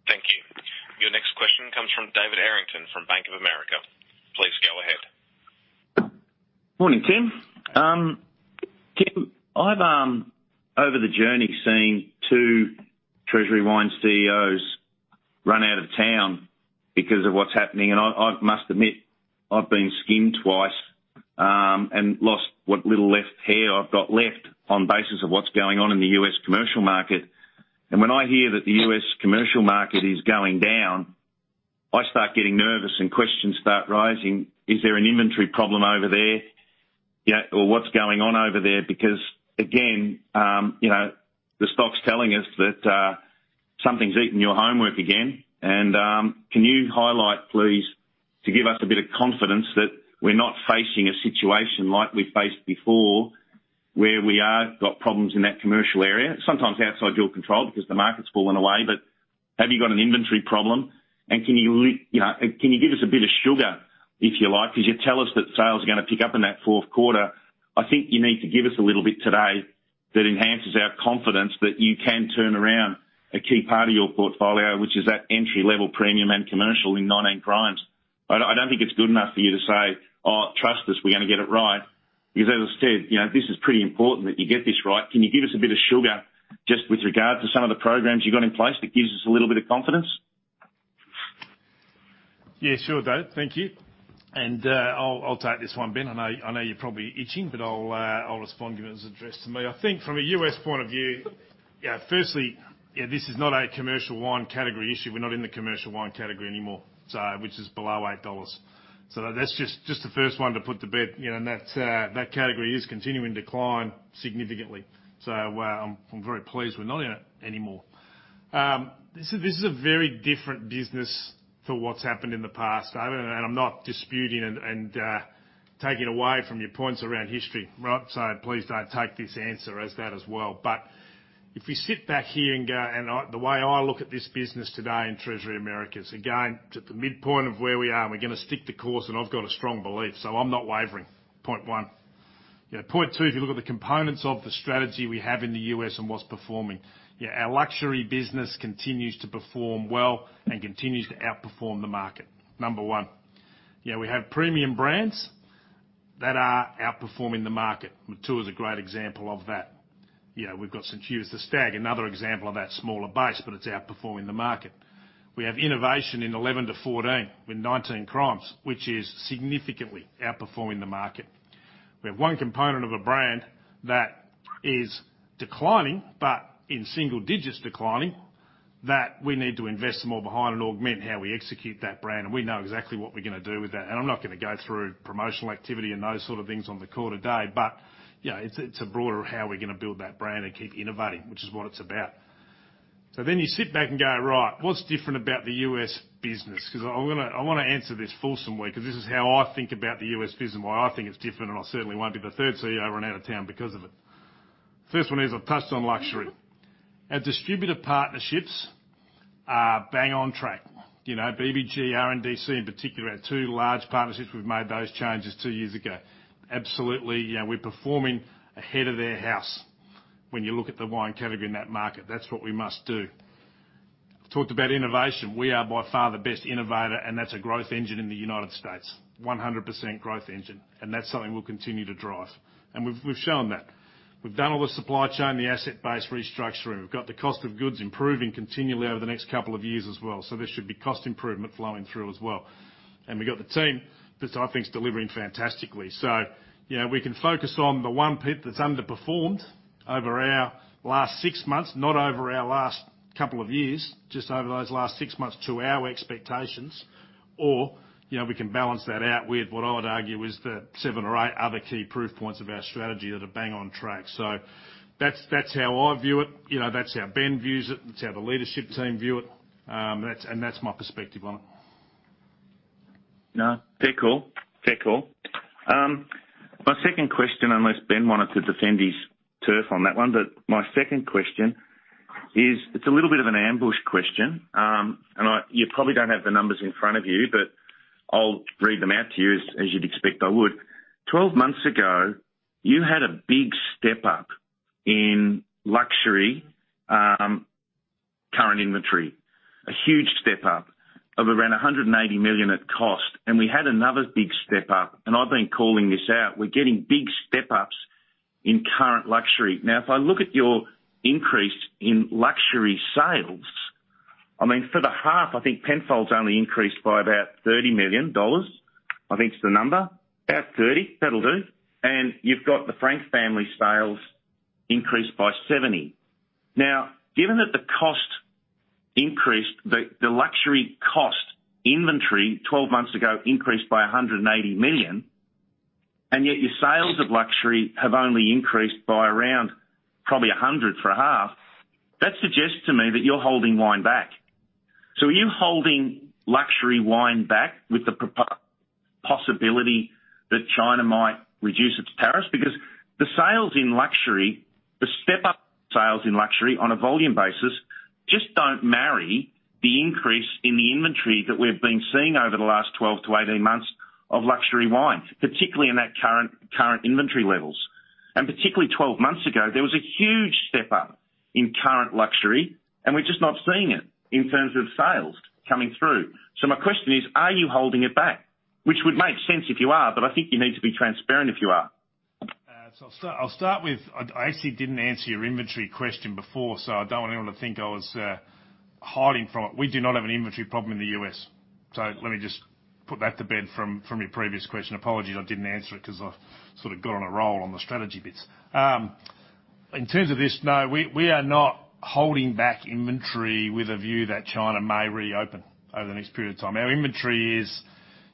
Thank you. Your next question comes from David Errington from Bank of America. Please go ahead. Morning, Tim. Tim, I've over the journey seen two Treasury Wine CEOs run out of town because of what's happening, and I must admit, I've been skinned twice, and lost what little left hair I've got left on basis of what's going on in the U.S. commercial market. When I hear that the U.S. commercial market is going down, I start getting nervous and questions start rising. Is there an inventory problem over there? You know, or what's going on over there? Because, again, you know, the stock's telling us that something's eaten your homework again. Can you highlight, please, to give us a bit of confidence that we're not facing a situation like we faced before, where we are got problems in that commercial area, sometimes outside your control because the market's fallen away. Have you got an inventory problem? Can you know, can you give us a bit of sugar, if you like? 'Cause you tell us that sales are gonna pick up in that fourth quarter. I think you need to give us a little bit today that enhances our confidence that you can turn around a key part of your portfolio, which is that entry-level premium and commercial in 19 Crimes. I don't think it's good enough for you to say, "Oh, trust us, we're gonna get it right." As I said, you know, this is pretty important that you get this right. Can you give us a bit of sugar just with regard to some of the programs you got in place that gives us a little bit of confidence? Yeah, sure, Dave. Thank you. I'll take this one, Ben. I know, I know you're probably itching, but I'll respond given it's addressed to me. I think from a U.S. point of view, firstly, you know, this is not a commercial wine category issue. We're not in the commercial wine category anymore, which is below $8. That's just the first one to put to bed. You know, that category is continuing to decline significantly. I'm very pleased we're not in it anymore. This is a very different business to what's happened in the past, David, and I'm not disputing and taking away from your points around history. Right? Please don't take this answer as that as well. If we sit back here and go, the way I look at this business today in Treasury Americas, again, to the midpoint of where we are, and we're going to stick to course, and I've got a strong belief, so I'm not wavering. Point one. You know, point two, if you look at the components of the strategy we have in the U.S. and what's performing, yeah, our luxury business continues to perform well and continues to outperform the market. Number one. You know, we have premium brands that are outperforming the market. Number two is a great example of that. You know, we've got St Hubert's The Stag, another example of that smaller base, but it's outperforming the market. We have innovation in 11-14 with 19 Crimes, which is significantly outperforming the market. We have one component of a brand that is declining, but in single digits declining, that we need to invest more behind and augment how we execute that brand, and we know exactly what we're gonna do with that. I'm not gonna go through promotional activity and those sort of things on the call today. You know, it's a broader how we're gonna build that brand and keep innovating, which is what it's about. You sit back and go, "Right. What's different about the U.S. business?" 'Cause I wanna, I wanna answer this fulsomely, 'cause this is how I think about the U.S. business and why I think it's different, and I certainly won't be the third CEO running out of town because of it. First one is I've touched on luxury. Our distributor partnerships are bang on track. You know, BBG, RNDC in particular, are two large partnerships. We've made those changes two years ago. Absolutely, yeah, we're performing ahead of their house when you look at the wine category in that market. That's what we must do. Talked about innovation. We are by far the best innovator, and that's a growth engine in the United States. 100% growth engine, and that's something we'll continue to drive. We've shown that. We've done all the supply chain, the asset base restructuring. We've got the cost of goods improving continually over the next couple of years as well. There should be cost improvement flowing through as well. We've got the team that I think's delivering fantastically. You know, we can focus on the one bit that's underperformed over our last six months, not over our last couple of years, just over those last six months to our expectations. You know, we can balance that out with what I would argue is the seven or eight other key proof points of our strategy that are bang on track. That's how I view it. You know, that's how Ben views it. That's how the leadership team view it. That's my perspective on it. No, fair call. Fair call. My second question, unless Ben wanted to defend his turf on that one, but my second question is, it's a little bit of an ambush question. You probably don't have the numbers in front of you, but I'll read them out to you as you'd expect I would. 12 months ago, you had a big step up in luxury, current inventory. A huge step up of around 180 million at cost, and we had another big step up, and I've been calling this out. We're getting big step ups in current luxury. Now, if I look at your increase in luxury sales, I mean, for the half, I think Penfolds only increased by about 30 million dollars, I think is the number. About 30. That'll do. You've got the Frank Family sales increased by 70 million. Given that the cost increased, the luxury cost inventory 12 months ago increased by 180 million, and yet your sales of luxury have only increased by around probably AUD a hundred for a half, that suggests to me that you're holding wine back. Are you holding luxury wine back with the possibility that China might reduce its tariffs? The sales in luxury, the step up sales in luxury on a volume basis, just don't marry the increase in the inventory that we've been seeing over the last 12-18 months of luxury wine, particularly in their current inventory levels. Particularly 12 months ago, there was a huge step up in current luxury, and we're just not seeing it in terms of sales coming through. My question is, are you holding it back? Which would make sense if you are, but I think you need to be transparent if you are. I'll start with, I actually didn't answer your inventory question before, so I don't want anyone to think I was hiding from it. We do not have an inventory problem in the U.S. Let me just put that to bed from your previous question. Apologies, I didn't answer it 'cause I sort of got on a roll on the strategy bits. In terms of this, we are not holding back inventory with a view that China may reopen over the next period of time. Our inventory is.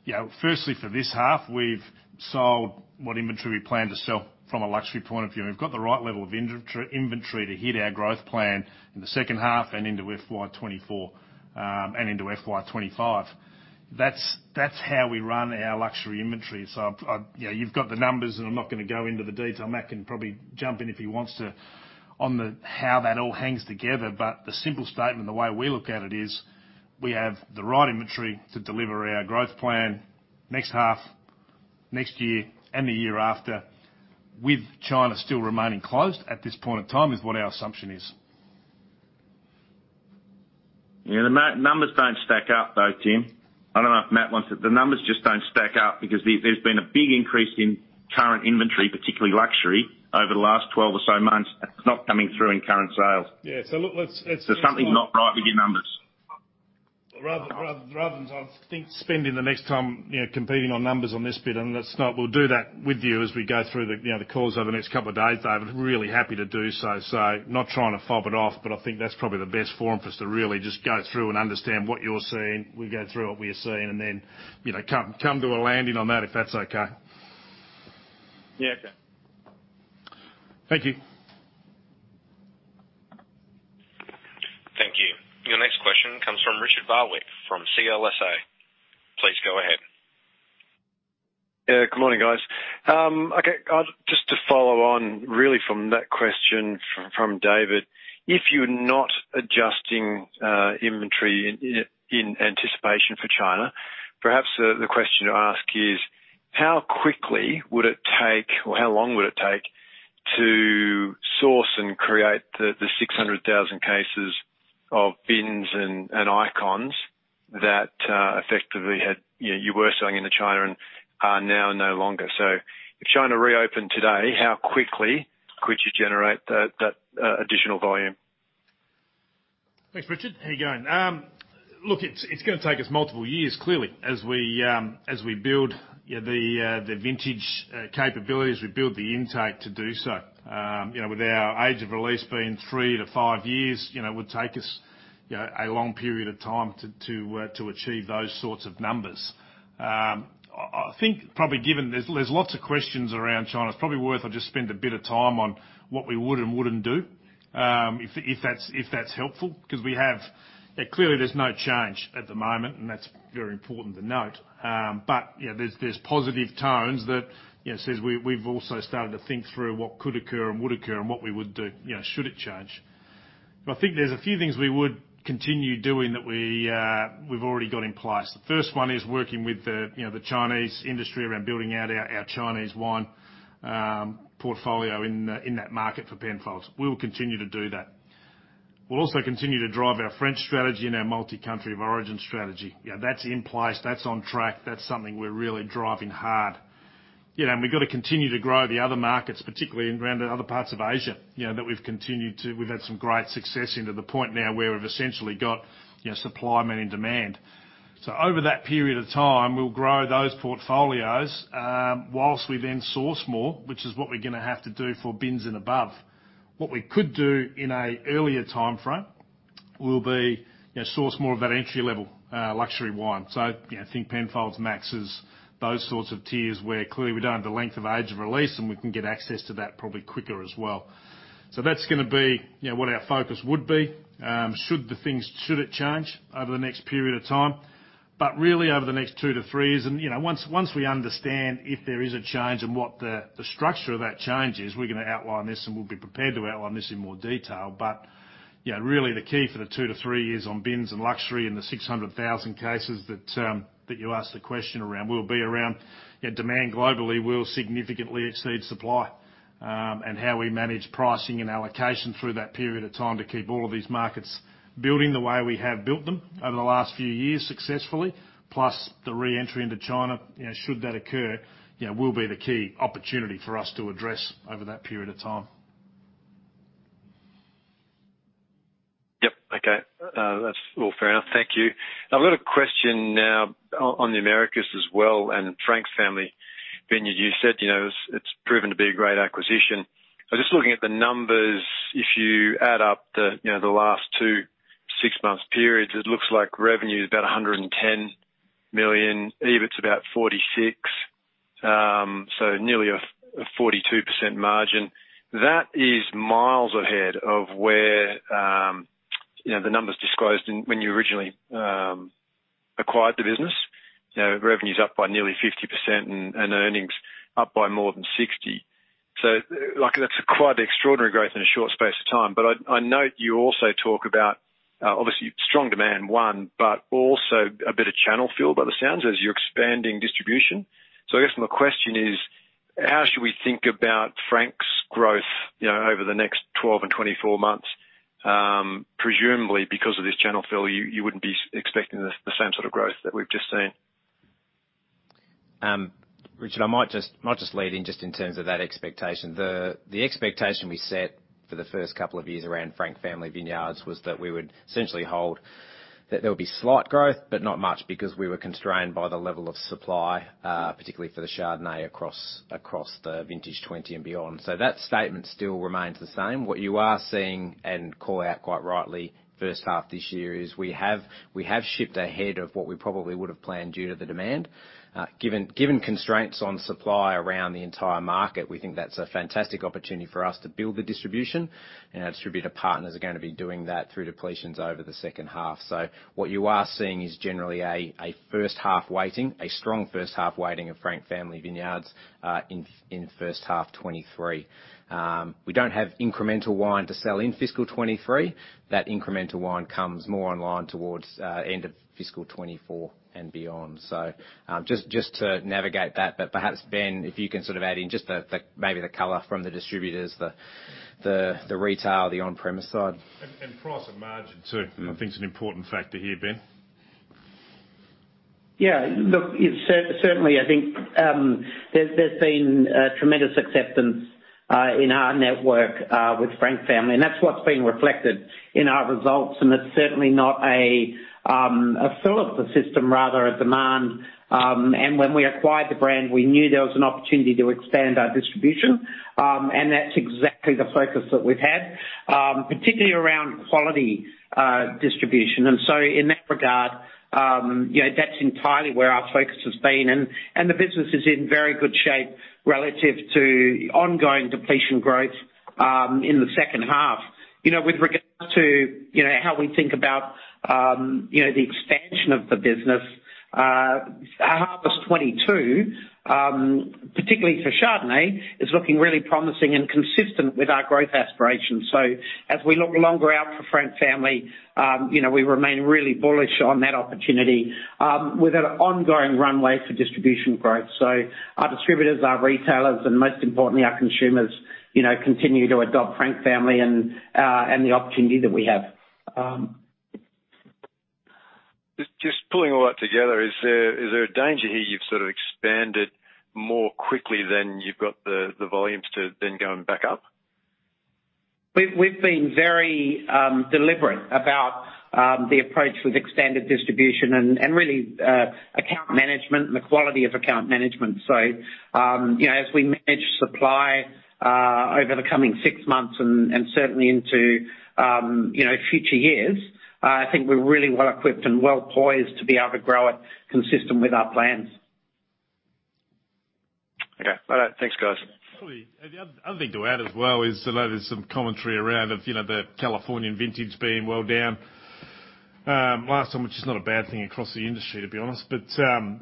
You know, firstly, for this half, we've sold what inventory we plan to sell from a luxury point of view. We've got the right level of inventory to hit our growth plan in the second half and into FY 24 and into FY 25. That's how we run our luxury inventory. You know, you've got the numbers, and I'm not gonna go into the detail. Matt can probably jump in if he wants to on the how that all hangs together. The simple statement, the way we look at it is we have the right inventory to deliver our growth plan next half, next year, and the year after, with China still remaining closed at this point in time, is what our assumption is. Yeah, the numbers don't stack up though, Tim. I don't know if Matt wants it. The numbers just don't stack up because there's been a big increase in current inventory, particularly luxury, over the last 12 or so months. It's not coming through in current sales. Yeah. look, let's Something's not right with your numbers. Rather than I think spending the next time, you know, competing on numbers on this bit, and that's not. We'll do that with you as we go through the, you know, the calls over the next couple of days, David. Really happy to do so. Not trying to fob it off, but I think that's probably the best forum for us to really just go through and understand what you're seeing. We go through what we are seeing and then, you know, come to a landing on that, if that's okay. Yeah. Okay. Thank you. Thank you. Your next question comes from Richard Barwick from CLSA. Please go ahead. Yeah, good morning, guys. Okay. Just to follow on really from that question from David. If you're not adjusting inventory in anticipation for China, perhaps the question to ask is how quickly would it take, or how long would it take to source and create the 600,000 cases of bins and icons that effectively you were selling into China and are now no longer. If China reopened today, how quickly could you generate that additional volume? Thanks, Richard. How you going? Look, it's going to take us multiple years clearly, as we build the vintage capabilities, we build the intake to do so. You know, with our age of release being three to five years, you know, it would take us, you know, a long period of time to achieve those sorts of numbers. I think probably given there's lots of questions around China, it's probably worth I just spend a bit of time on what we would and wouldn't do, if that's helpful. Clearly there's no change at the moment, and that's very important to note. You know, there's positive tones that, you know, says we've also started to think through what could occur and would occur and what we would do, you know, should it change. I think there's a few things we would continue doing that we've already got in place. The first one is working with the, you know, the Chinese industry around building out our Chinese wine portfolio in that market for Penfolds. We will continue to do that. We'll also continue to drive our French strategy and our multi-country of origin strategy. You know, that's in place, that's on track, that's something we're really driving hard. You know, we've got to continue to grow the other markets, particularly around other parts of Asia, you know, that we've continued to. We've had some great success into the point now where we've essentially got, you know, supply meeting demand. Over that period of time, we'll grow those portfolios, whilst we then source more, which is what we're gonna have to do for bins and above. What we could do in a earlier timeframe will be, you know, source more of that entry-level, luxury wine. You know, think Penfolds Max's, those sorts of tiers, where clearly we don't have the length of age of release, and we can get access to that probably quicker as well. That's gonna be, you know, what our focus would be, should it change over the next period of time. Really over the next two to threes and, you know, once we understand if there is a change and what the structure of that change is, we're gonna outline this, and we'll be prepared to outline this in more detail. You know, really the key for the two to three years on bins and luxury and the 600,000 cases that you asked the question around will be around, you know, demand globally will significantly exceed supply. How we manage pricing and allocation through that period of time to keep all of these markets building the way we have built them over the last few years successfully, plus the re-entry into China, you know, should that occur, you know, will be the key opportunity for us to address over that period of time. Yep. Okay. That's all fair enough. Thank you. I've got a question now on the Americas as well and Frank Family Vineyards. You said, you know, it's proven to be a great acquisition. Just looking at the numbers, if you add up the, you know, the last two six-month periods, it looks like revenue is about $110 million, EBITS about $46 million. Nearly a 42% margin. That is miles ahead of where, you know, the numbers disclosed in when you originally acquired the business. You know, revenue's up by nearly 50% and earnings up by more than 60%. Like, that's quite extraordinary growth in a short space of time. I note you also talk about, obviously strong demand, one, but also a bit of channel fill by the sounds as you're expanding distribution. I guess my question is: How should we think about Frank's growth, you know, over the next 12 and 24 months? Presumably because of this channel fill, you wouldn't be expecting the same sort of growth that we've just seen. Richard, I might just lead in just in terms of that expectation. The expectation we set for the first couple of years around Frank Family Vineyards was that we would essentially hold, that there would be slight growth, but not much because we were constrained by the level of supply, particularly for the Chardonnay across the vintage 2020 and beyond. That statement still remains the same. What you are seeing and call out quite rightly first half this year is we have shipped ahead of what we probably would have planned due to the demand. Given constraints on supply around the entire market, we think that's a fantastic opportunity for us to build the distribution, and our distributor partners are gonna be doing that through depletions over the second half. What you are seeing is generally a first half weighting, a strong first half weighting of Frank Family Vineyards in the first half 2023. We don't have incremental wine to sell in fiscal 2023. That incremental wine comes more online towards end of fiscal 2024 and beyond. Just to navigate that, perhaps, Ben, if you can sort of add in just the maybe the color from the distributors, the retail, the on-premise side. Price and margin too, I think is an important factor here, Ben. Yeah. Look, it certainly I think, there's been a tremendous acceptance in our network with Frank Family, and that's what's been reflected in our results, and it's certainly not a fill of the system, rather a demand. When we acquired the brand, we knew there was an opportunity to expand our distribution. That's exactly the focus that we've had, particularly around quality distribution. In that regard, you know, that's entirely where our focus has been, and the business is in very good shape relative to ongoing depletion growth in the second half. You know, with regards to, you know, how we think about, you know, the expansion of the business, our harvest 2022, particularly for Chardonnay, is looking really promising and consistent with our growth aspirations. As we look longer out for Frank Family, you know, we remain really bullish on that opportunity with an ongoing runway for distribution growth. Our distributors, our retailers, and most importantly, our consumers, you know, continue to adopt Frank Family and the opportunity that we have. Just pulling all that together, is there a danger here you've sort of expanded more quickly than you've got the volumes to then going back up? We've been very deliberate about the approach with expanded distribution and really account management and the quality of account management. You know, as we manage supply over the coming six months and certainly into, you know, future years, I think we're really well equipped and well poised to be able to grow it consistent with our plans. Okay. All right. Thanks, guys. The other thing to add as well is, I know there's some commentary around of, you know, the Californian vintage being well down last time, which is not a bad thing across the industry, to be honest. You know,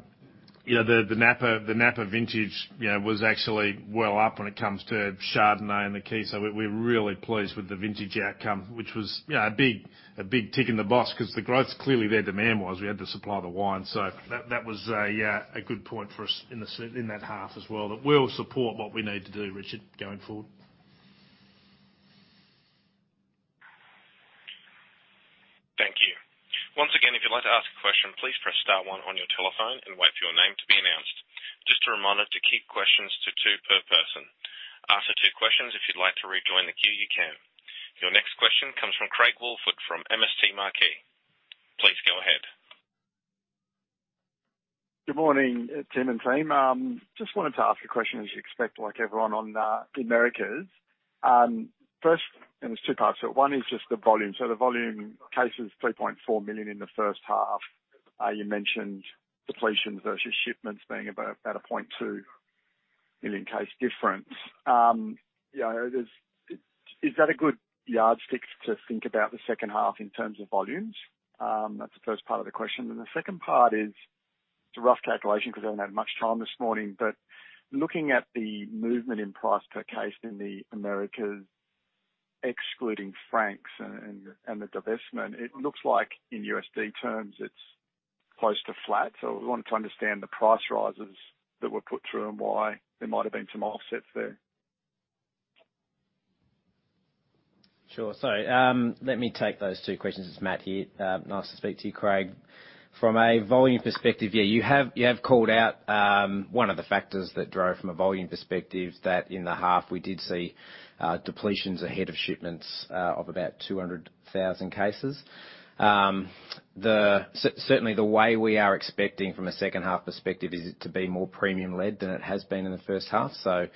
the Napa vintage, you know, was actually well up when it comes to Chardonnay and the key. We're really pleased with the vintage outcome, which was, you know, a big tick in the box because the growth's clearly there. The man was, we had to supply the wine. That was a good point for us in that half as well, that will support what we need to do, Richard, going forward. Thank you. Once again, if you'd like to ask a question, please press star one on your telephone and wait for your name to be announced. Just a reminder to keep questions to two per person. After two questions, if you'd like to rejoin the queue, you can. Your next question comes from Craig Woolford from MST Financial. Please go ahead. Good morning, Tim and team. Just wanted to ask a question, as you expect, like everyone on the Americas. First, there's two parts to it. One is just the volume. The volume cases, 3.4 million in the first half. You mentioned depletions versus shipments being about a 0.2 million case difference. You know, is that a good yardstick to think about the second half in terms of volumes? That's the first part of the question. The second part is, it's a rough calculation because I haven't had much time this morning, but looking at the movement in price per case in the Americas, excluding Franks and the divestment, it looks like in USD terms, it's close to flat. We wanted to understand the price rises that were put through and why there might have been some offsets there. Sure. Let me take those two questions. It's Matt here. Nice to speak to you, Craig. From a volume perspective, yeah, you have called out one of the factors that drove from a volume perspective that in the half we did see depletions ahead of shipments of about 200,000 cases. Certainly the way we are expecting from a second half perspective is it to be more premium led than it has been in the first half. It's hard,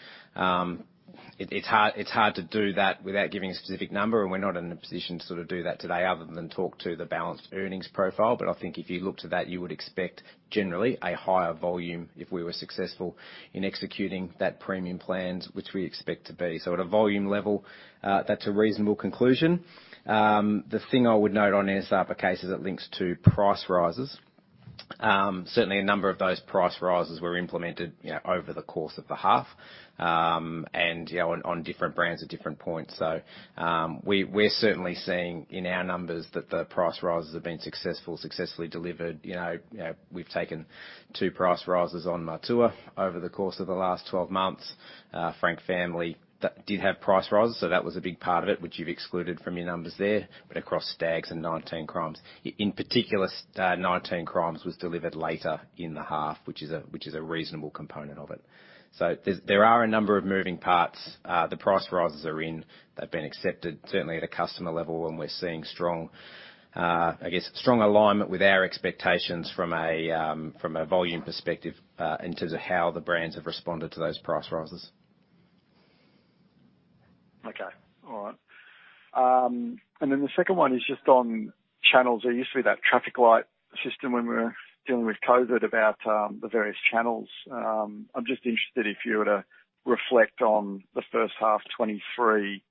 it's hard to do that without giving a specific number, and we're not in a position to sort of do that today other than talk to the balanced earnings profile. I think if you look to that, you would expect generally a higher volume if we were successful in executing that premium plans, which we expect to be. At a volume level, that's a reasonable conclusion. The thing I would note on ASAPA cases, it links to price rises. Certainly a number of those price rises were implemented, you know, over the course of the half, and, you know, on different brands at different points. We're certainly seeing in our numbers that the price rises have been successfully delivered. You know, we've taken two price rises on Matua over the course of the last 12 months. Frank Family, that did have price rises, so that was a big part of it, which you've excluded from your numbers there. Across Stags' and 19 Crimes, in particular, 19 Crimes was delivered later in the half, which is a reasonable component of it. There are a number of moving parts. The price rises are in. They've been accepted, certainly at a customer level, and we're seeing strong, I guess, strong alignment with our expectations from a volume perspective, in terms of how the brands have responded to those price rises. Okay. All right. The second one is just on channels. There used to be that traffic light system when we were dealing with COVID about the various channels. I'm just interested if you were to reflect on the first half 2023,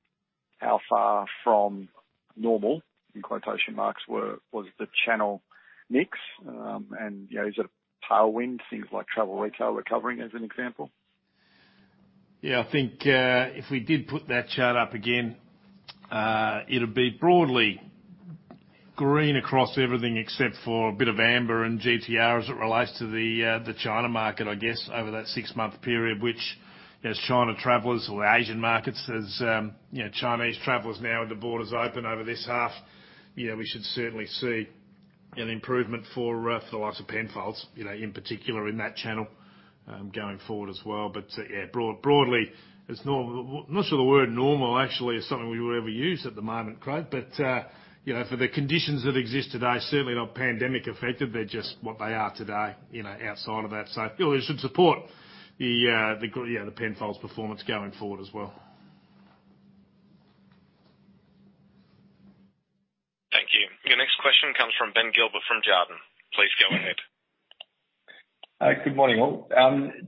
how far from normal, in quotation marks, was the channel mix? You know, is it a tailwind, things like travel retail recovering, as an example? Yeah, I think, if we did put that chart up again, it'd be broadly green across everything except for a bit of amber and GTR as it relates to the China market, I guess, over that six-month period, which as China travelers or the Asian markets, as, you know, Chinese travelers now with the borders open over this half, you know, we should certainly see an improvement for the likes of Penfolds, you know, in particular in that channel, going forward as well. Yeah, broadly, I'm not sure the word normal actually is something we would ever use at the moment, Craig. You know, for the conditions that exist today, certainly not pandemic affected, they're just what they are today, you know, outside of that. It should support the, yeah, the Penfolds performance going forward as well. Thank you. Your next question comes from Ben Gilbert from Jarden. Please go ahead. Hi, good morning, all.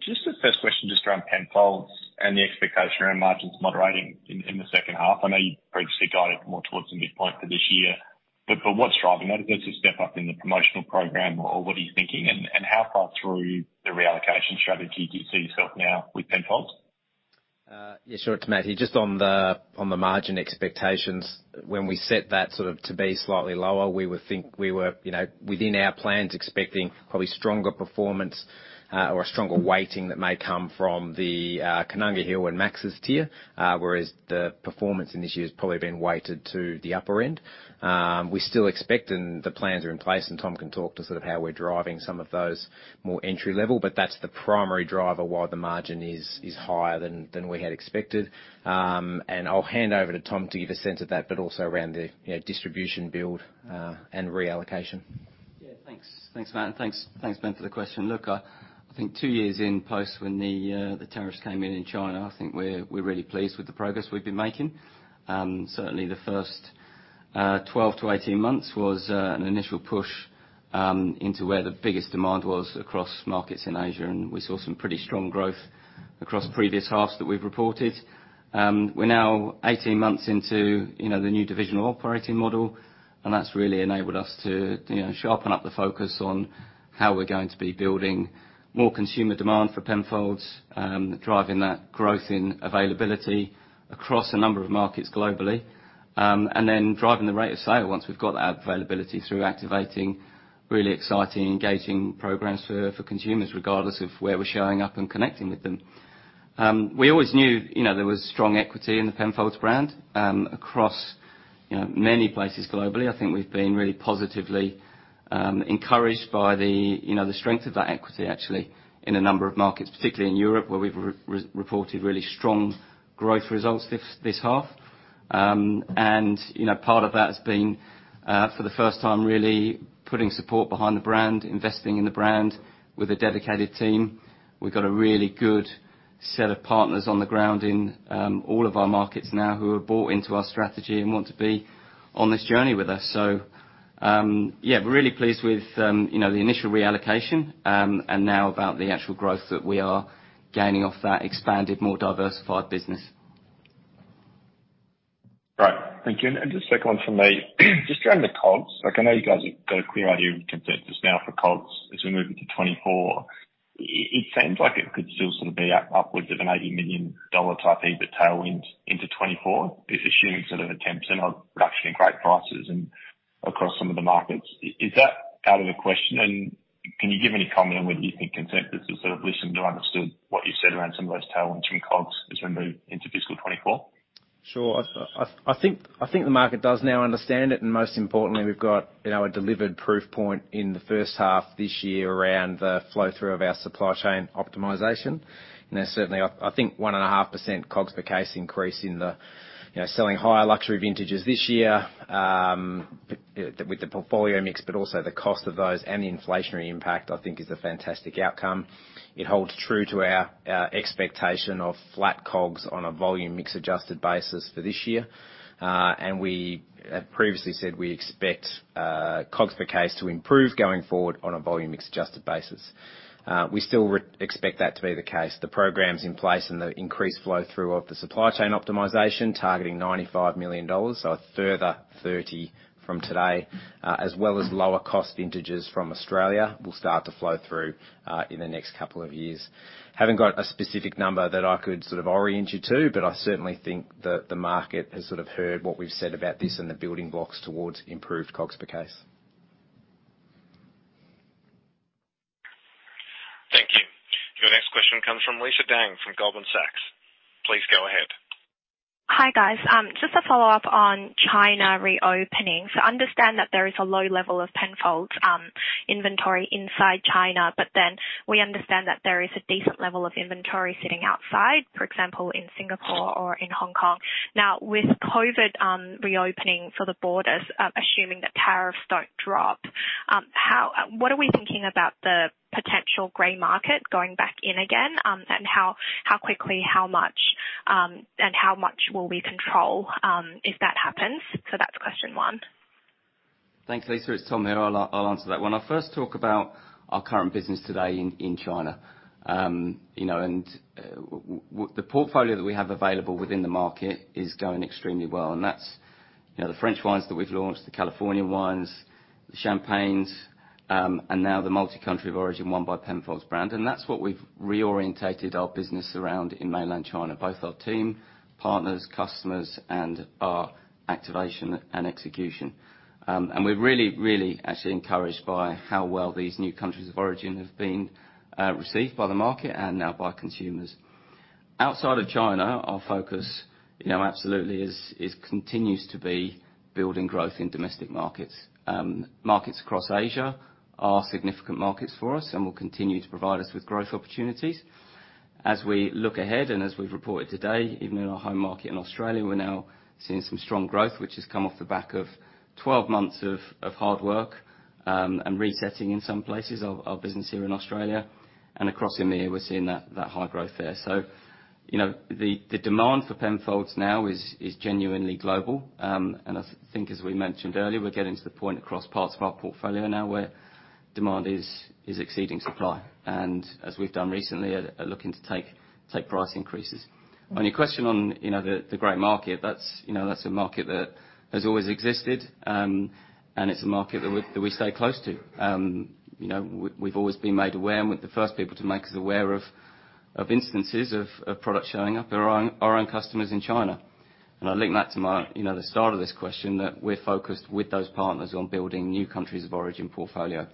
Just a first question just around Penfolds and the expectation around margins moderating in the second half. I know you previously guided more towards the midpoint for this year, but for what's driving that? Is there's a step up in the promotional program or what are you thinking? How far through the reallocation strategy do you see yourself now with Penfolds? Yeah, sure. It's Matt here. Just on the margin expectations, when we set that sort of to be slightly lower, we would think we were, you know, within our plans expecting probably stronger performance, or a stronger weighting that may come from The Gables and Max's tier. Whereas the performance in this year has probably been weighted to the upper end. We still expect and the plans are in place, and Tom can talk to sort of how we're driving some of those more entry level, but that's the primary driver why the margin is higher than we had expected. I'll hand over to Tom to give a sense of that, but also around the, you know, distribution build and reallocation. Yeah, thanks. Thanks, Matt, and thanks, Ben, for the question. Look, I think two years in post when the tariffs came in in China, I think we're really pleased with the progress we've been making. Certainly, the first 12-18 months was an initial push into where the biggest demand was across markets in Asia, and we saw some pretty strong growth across previous halves that we've reported. We're now 18 months into, you know, the new divisional operating model, and that's really enabled us to, you know, sharpen up the focus on how we're going to be building more consumer demand for Penfolds, driving that growth in availability across a number of markets globally. Driving the rate of sale once we've got that availability through activating really exciting, engaging programs for consumers, regardless of where we're showing up and connecting with them. We always knew, you know, there was strong equity in the Penfolds brand, across, you know, many places globally. I think we've been really positively encouraged by the, you know, the strength of that equity actually in a number of markets, particularly in Europe, where we've re-reported really strong growth results this half. You know, part of that has been for the first time, really putting support behind the brand, investing in the brand with a dedicated team. We've got a really good set of partners on the ground in all of our markets now who have bought into our strategy and want to be on this journey with us. Yeah, we're really pleased with, you know, the initial reallocation, and now about the actual growth that we are gaining off that expanded, more diversified business. Great. Thank you. Just a second one from me. Just around the COGS. Like, I know you guys have got a clear idea of consensus now for COGS as we move into 2024. It seems like it could still sort of be upwards of an 80 million dollar type EBITDA tailwind into 2024, if assuming sort of a 10% of reduction in grape prices and across some of the markets. Is that out of the question? Can you give any comment on whether you think consensus has sort of listened or understood what you said around some of those tailwinds from COGS as we move into fiscal 2024? Sure. I think the market does now understand it. Most importantly, we've got, you know, a delivered proof point in the first half this year around the flow-through of our supply chain optimization. Certainly, I think 1.5% COGS per case increase in the, you know, selling higher luxury vintages this year, with the portfolio mix, but also the cost of those and the inflationary impact, I think is a fantastic outcome. It holds true to our expectation of flat COGS on a volume mix adjusted basis for this year. We had previously said we expect COGS per case to improve going forward on a volume mix adjusted basis. We still expect that to be the case. The programs in place and the increased flow-through of the supply chain optimization targeting $95 million, so a further $30 million from today, as well as lower cost vintages from Australia will start to flow through in the next couple of years. Haven't got a specific number that I could sort of orient you to, but I certainly think that the market has sort of heard what we've said about this and the building blocks towards improved COGS per case. Thank you. Your next question comes from Lisa Deng from Goldman Sachs. Please go ahead. Hi, guys. Just a follow-up on China reopening. Understand that there is a low level of Penfolds inventory inside China. We understand that there is a decent level of inventory sitting outside, for example, in Singapore or in Hong Kong. With COVID reopening for the borders, assuming that tariffs don't drop, what are we thinking about the potential gray market going back in again? And how quickly, how much, and how much will we control if that happens? That's question one. Thanks, Lisa. It's Tom here. I'll answer that one. I first talk about our current business today in China. You know, the portfolio that we have available within the market is going extremely well, and that's, you know, the French wines that we've launched, the California wines, the Champagnes, and now the multi-country of origin One by Penfolds brand. That's what we've reorientated our business around in mainland China, both our team, partners, customers, and our activation and execution. We're really, really actually encouraged by how well these new countries of origin have been received by the market and now by consumers. Outside of China, our focus, you know, absolutely is continues to be building growth in domestic markets. Markets across Asia are significant markets for us and will continue to provide us with growth opportunities. As we look ahead and as we've reported today, even in our home market in Australia, we're now seeing some strong growth, which has come off the back of 12 months of hard work, and resetting in some places our business here in Australia. Across EMEA, we're seeing that high growth there. You know, the demand for Penfolds now is genuinely global. And I think as we mentioned earlier, we're getting to the point across parts of our portfolio now where demand is exceeding supply, and as we've done recently, are looking to take price increases. On your question on, you know, the gray market, that's a market that has always existed, and it's a market that we stay close to. You know, we've always been made aware, and we're the first people to make us aware of instances of product showing up are our own customers in China. I link that to my, you know, the start of this question that we're focused with those partners on building new countries of origin portfolio.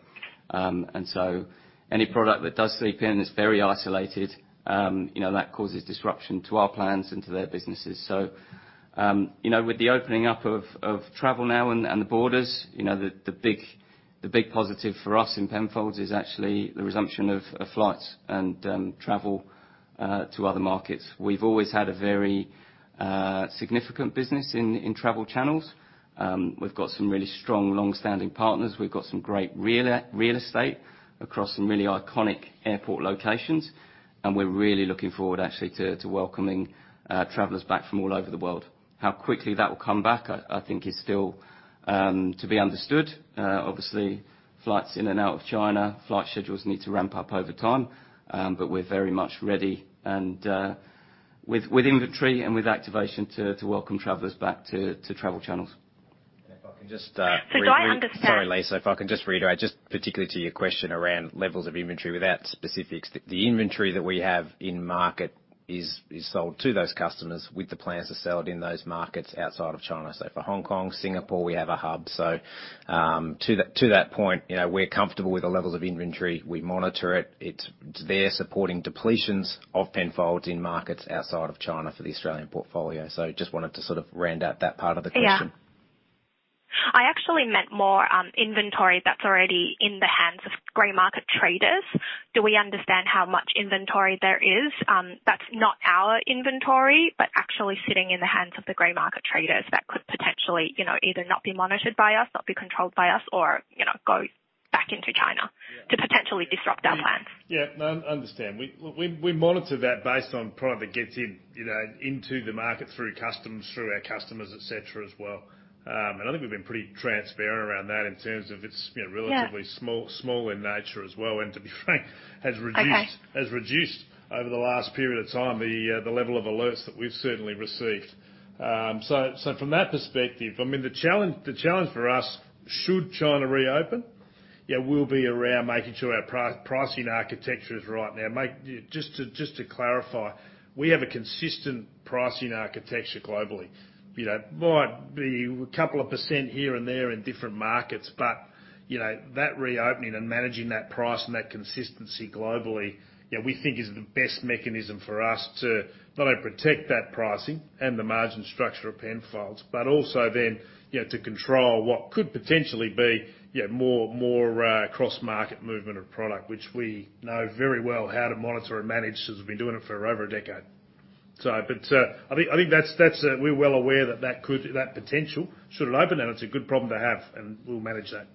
Any product that does seep in is very isolated, you know, that causes disruption to our plans and to their businesses. You know, with the opening up of travel now and the borders, you know, the big positive for us in Penfolds is actually the resumption of flights and travel to other markets. We've always had a very significant business in travel channels. We've got some really strong, long-standing partners. We've got some great real estate across some really iconic airport locations, and we're really looking forward actually to welcoming travelers back from all over the world. How quickly that will come back I think is still to be understood. Obviously, flights in and out of China, flight schedules need to ramp up over time, but we're very much ready and with inventory and with activation to welcome travelers back to travel channels. If I can just do I. Sorry, Lisa, if I can just reiterate, just particularly to your question around levels of inventory without specifics. The inventory that we have in market is sold to those customers with the plans to sell it in those markets outside of China. For Hong Kong, Singapore, we have a hub. To that point, you know, we're comfortable with the levels of inventory. We monitor it. It's there supporting depletions of Penfolds in markets outside of China for the Australian portfolio. Just wanted to sort of round out that part of the question. Yeah. I actually meant more, inventory that's already in the hands of gray market traders. Do we understand how much inventory there is, that's not our inventory, but actually sitting in the hands of the gray market traders that could potentially, you know, either not be monitored by us, not be controlled by us or, you know, go back into China... Yeah. to potentially disrupt our plans? Yeah. No, understand. We, look, we monitor that based on product that gets in, you know, into the market through customs, through our customers, etc, as well. I think we've been pretty transparent around that in terms of it's. Yeah. -relatively small in nature as well, and to be frank has reduced- Okay. -has reduced over the last period of time, the level of alerts that we've certainly received. From that perspective, I mean, the challenge for us should China reopen, yeah, we'll be around making sure our pricing architecture is right. Just to clarify, we have a consistent pricing architecture globally. You know, might be a couple of % here and there in different markets, but, you know, that reopening and managing that price and that consistency globally, you know, we think is the best mechanism for us to not only protect that pricing and the margin structure of Penfolds, but also then, you know, to control what could potentially be, yeah, more cross-market movement of product, which we know very well how to monitor and manage since we've been doing it for over a decade. I think that's we're well aware that potential should it open, and it's a good problem to have, and we'll manage that.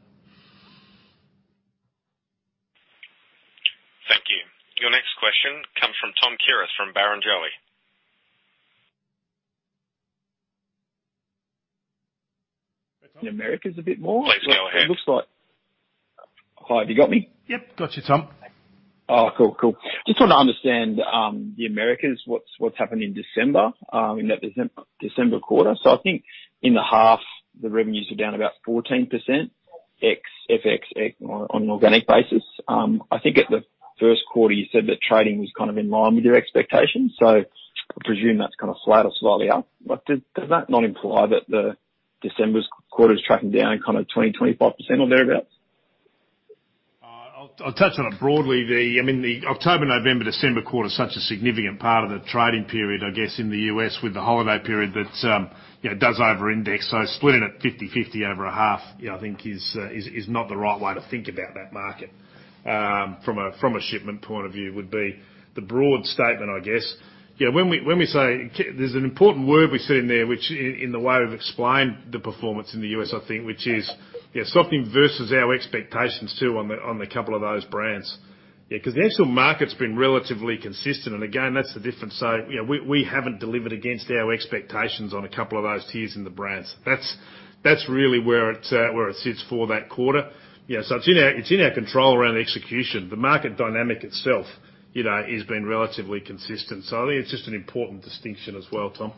Thank you. Your next question comes from Tom Kierath from Barrenjoey. The Americas a bit more. Please go ahead. Hi, have you got me? Yep. Got you, Tom. Cool. Just want to understand the Americas, what's happened in December, in that December quarter. I think in the half, the revenues are down about 14%, ex-FX, on an organic basis. I think at the first quarter, you said that trading was kind of in line with your expectations. I presume that's kind of flat or slightly up. Does that not imply that the December's quarter is tracking down kind of 20%-25% or thereabout? I'll touch on it broadly. I mean, the October, November, December quarter is such a significant part of the trading period, I guess, in the U.S. with the holiday period that, you know, does over-index. Splitting it 50-50 over a half, yeah, I think is not the right way to think about that market. From a shipment point of view would be the broad statement, I guess. You know, when we say... There's an important word we said in there, which in the way we've explained the performance in the U.S., I think, which is, yeah, something versus our expectations too on the couple of those brands. Yeah, 'cause the actual market's been relatively consistent. Again, that's the difference. You know, we haven't delivered against our expectations on a couple of those tiers in the brands. That's really where it sits for that quarter. It's in our control around the execution. The market dynamic itself, you know, has been relatively consistent. I think it's just an important distinction as well, Tom.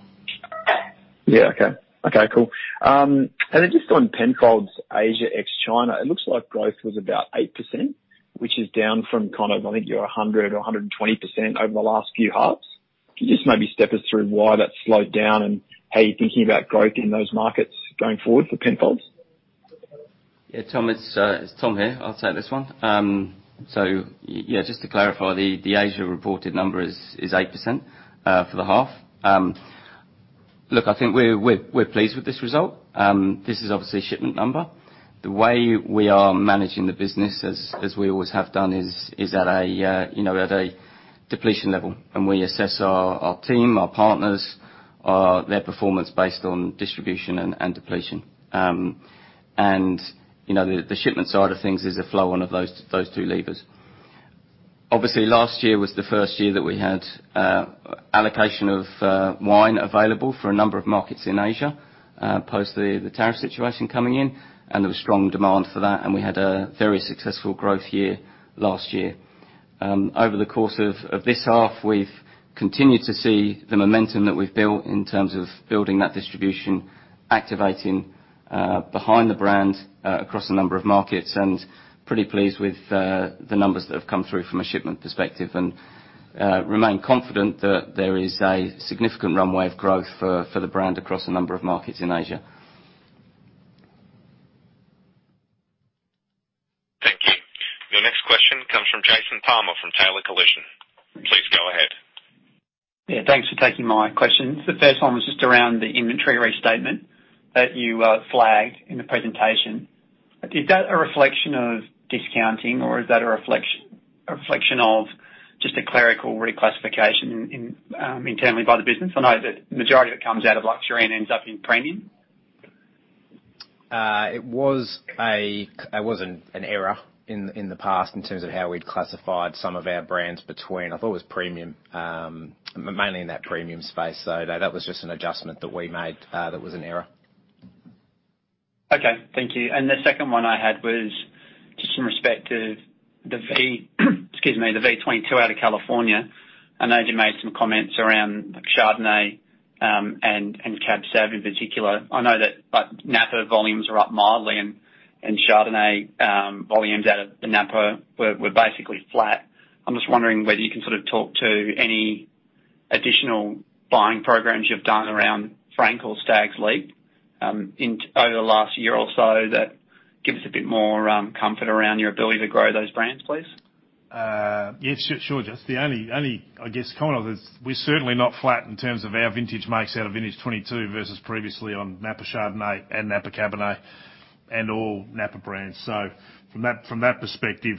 Yeah. Okay. Okay, cool. Then just on Penfolds Asia ex China, it looks like growth was about 8%, which is down from kind of, I think you're 100% or 120% over the last few halves. Can you just maybe step us through why that slowed down and how you're thinking about growth in those markets going forward for Penfolds? Yeah, Tom, it's Tom here. I'll take this one. Just to clarify, the Asia reported number is 8% for the half. Look, I think we're pleased with this result. This is obviously a shipment number. The way we are managing the business, as we always have done is at a, you know, at a. Depletion level. We assess our team, our partners, their performance based on distribution and depletion. You know, the shipment side of things is a flow on of those two levers. Obviously, last year was the first year that we had allocation of wine available for a number of markets in Asia, post the tariff situation coming in, and there was strong demand for that, and we had a very successful growth year last year. Over the course of this half, we've continued to see the momentum that we've built in terms of building that distribution, activating behind the brand across a number of markets. Pretty pleased with the numbers that have come through from a shipment perspective. Remain confident that there is a significant runway of growth for the brand across a number of markets in Asia. Thank you. Your next question comes from Jason Palmer from Taylor Collison. Please go ahead. Thanks for taking my question. The first one was just around the inventory restatement that you flagged in the presentation. Is that a reflection of discounting, or is that a reflection of just a clerical reclassification in internally by the business? I know that the majority that comes out of luxury ends up in premium. It was an error in the past in terms of how we'd classified some of our brands between... I thought it was premium, mainly in that premium space. That was just an adjustment that we made, that was an error. Okay. Thank you. The second one I had was just in respect to the V, excuse me, the V 22 out of California. I know you made some comments around Chardonnay, and Cab Sauv in particular. I know that Napa volumes are up mildly and Chardonnay volumes out of the Napa were basically flat. I'm just wondering whether you can sort of talk to any additional buying programs you've done around Frank or Stags' Leap, over the last year or so that give us a bit more comfort around your ability to grow those brands, please? Yes, sure, Jason. The only, I guess, comment is we're certainly not flat in terms of our vintage makes out of vintage 22 versus previously on Napa chardonnay and Napa cabernet and all Napa brands. From that perspective,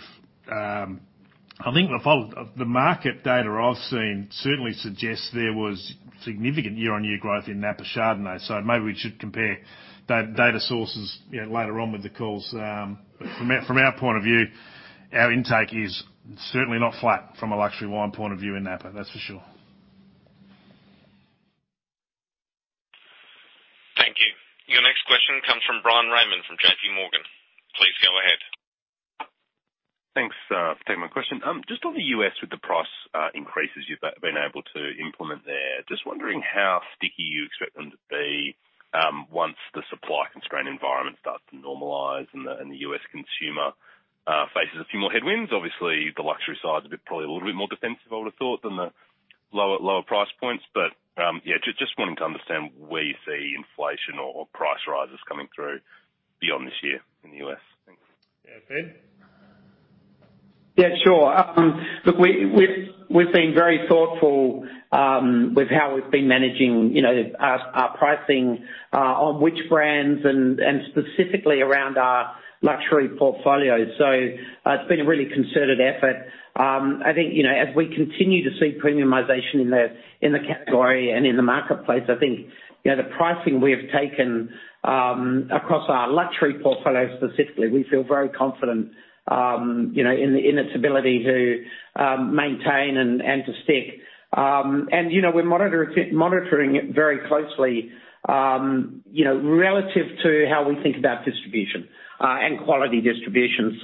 I think the market data I've seen certainly suggests there was significant year-on-year growth in Napa chardonnay. Maybe we should compare data sources, you know, later on with the calls. From our point of view, our intake is certainly not flat from a luxury wine point of view in Napa, that's for sure. Thank you. Your next question comes from Bryan Raymond from JPMorgan. Please go ahead. Thanks for taking my question. Just on the U.S. with the price increases you've been able to implement there. Just wondering how sticky you expect them to be once the supply constraint environment starts to normalize and the U.S. consumer faces a few more headwinds. Obviously, the luxury side is a bit, probably a little bit more defensive, I would have thought, than the lower price points. Yeah, just wanting to understand where you see inflation or price rises coming through beyond this year in the U.S. Thanks. Yeah. Ed? Yeah, sure. Look, we've been very thoughtful with how we've been managing, you know, our pricing on which brands and specifically around our luxury portfolio. It's been a really concerted effort. I think, you know, as we continue to see premiumization in the category and in the marketplace, I think, you know, the pricing we have taken across our luxury portfolio specifically, we feel very confident, you know, in its ability to maintain and to stick. And you know, we're monitoring it very closely, you know, relative to how we think about distribution and quality distribution.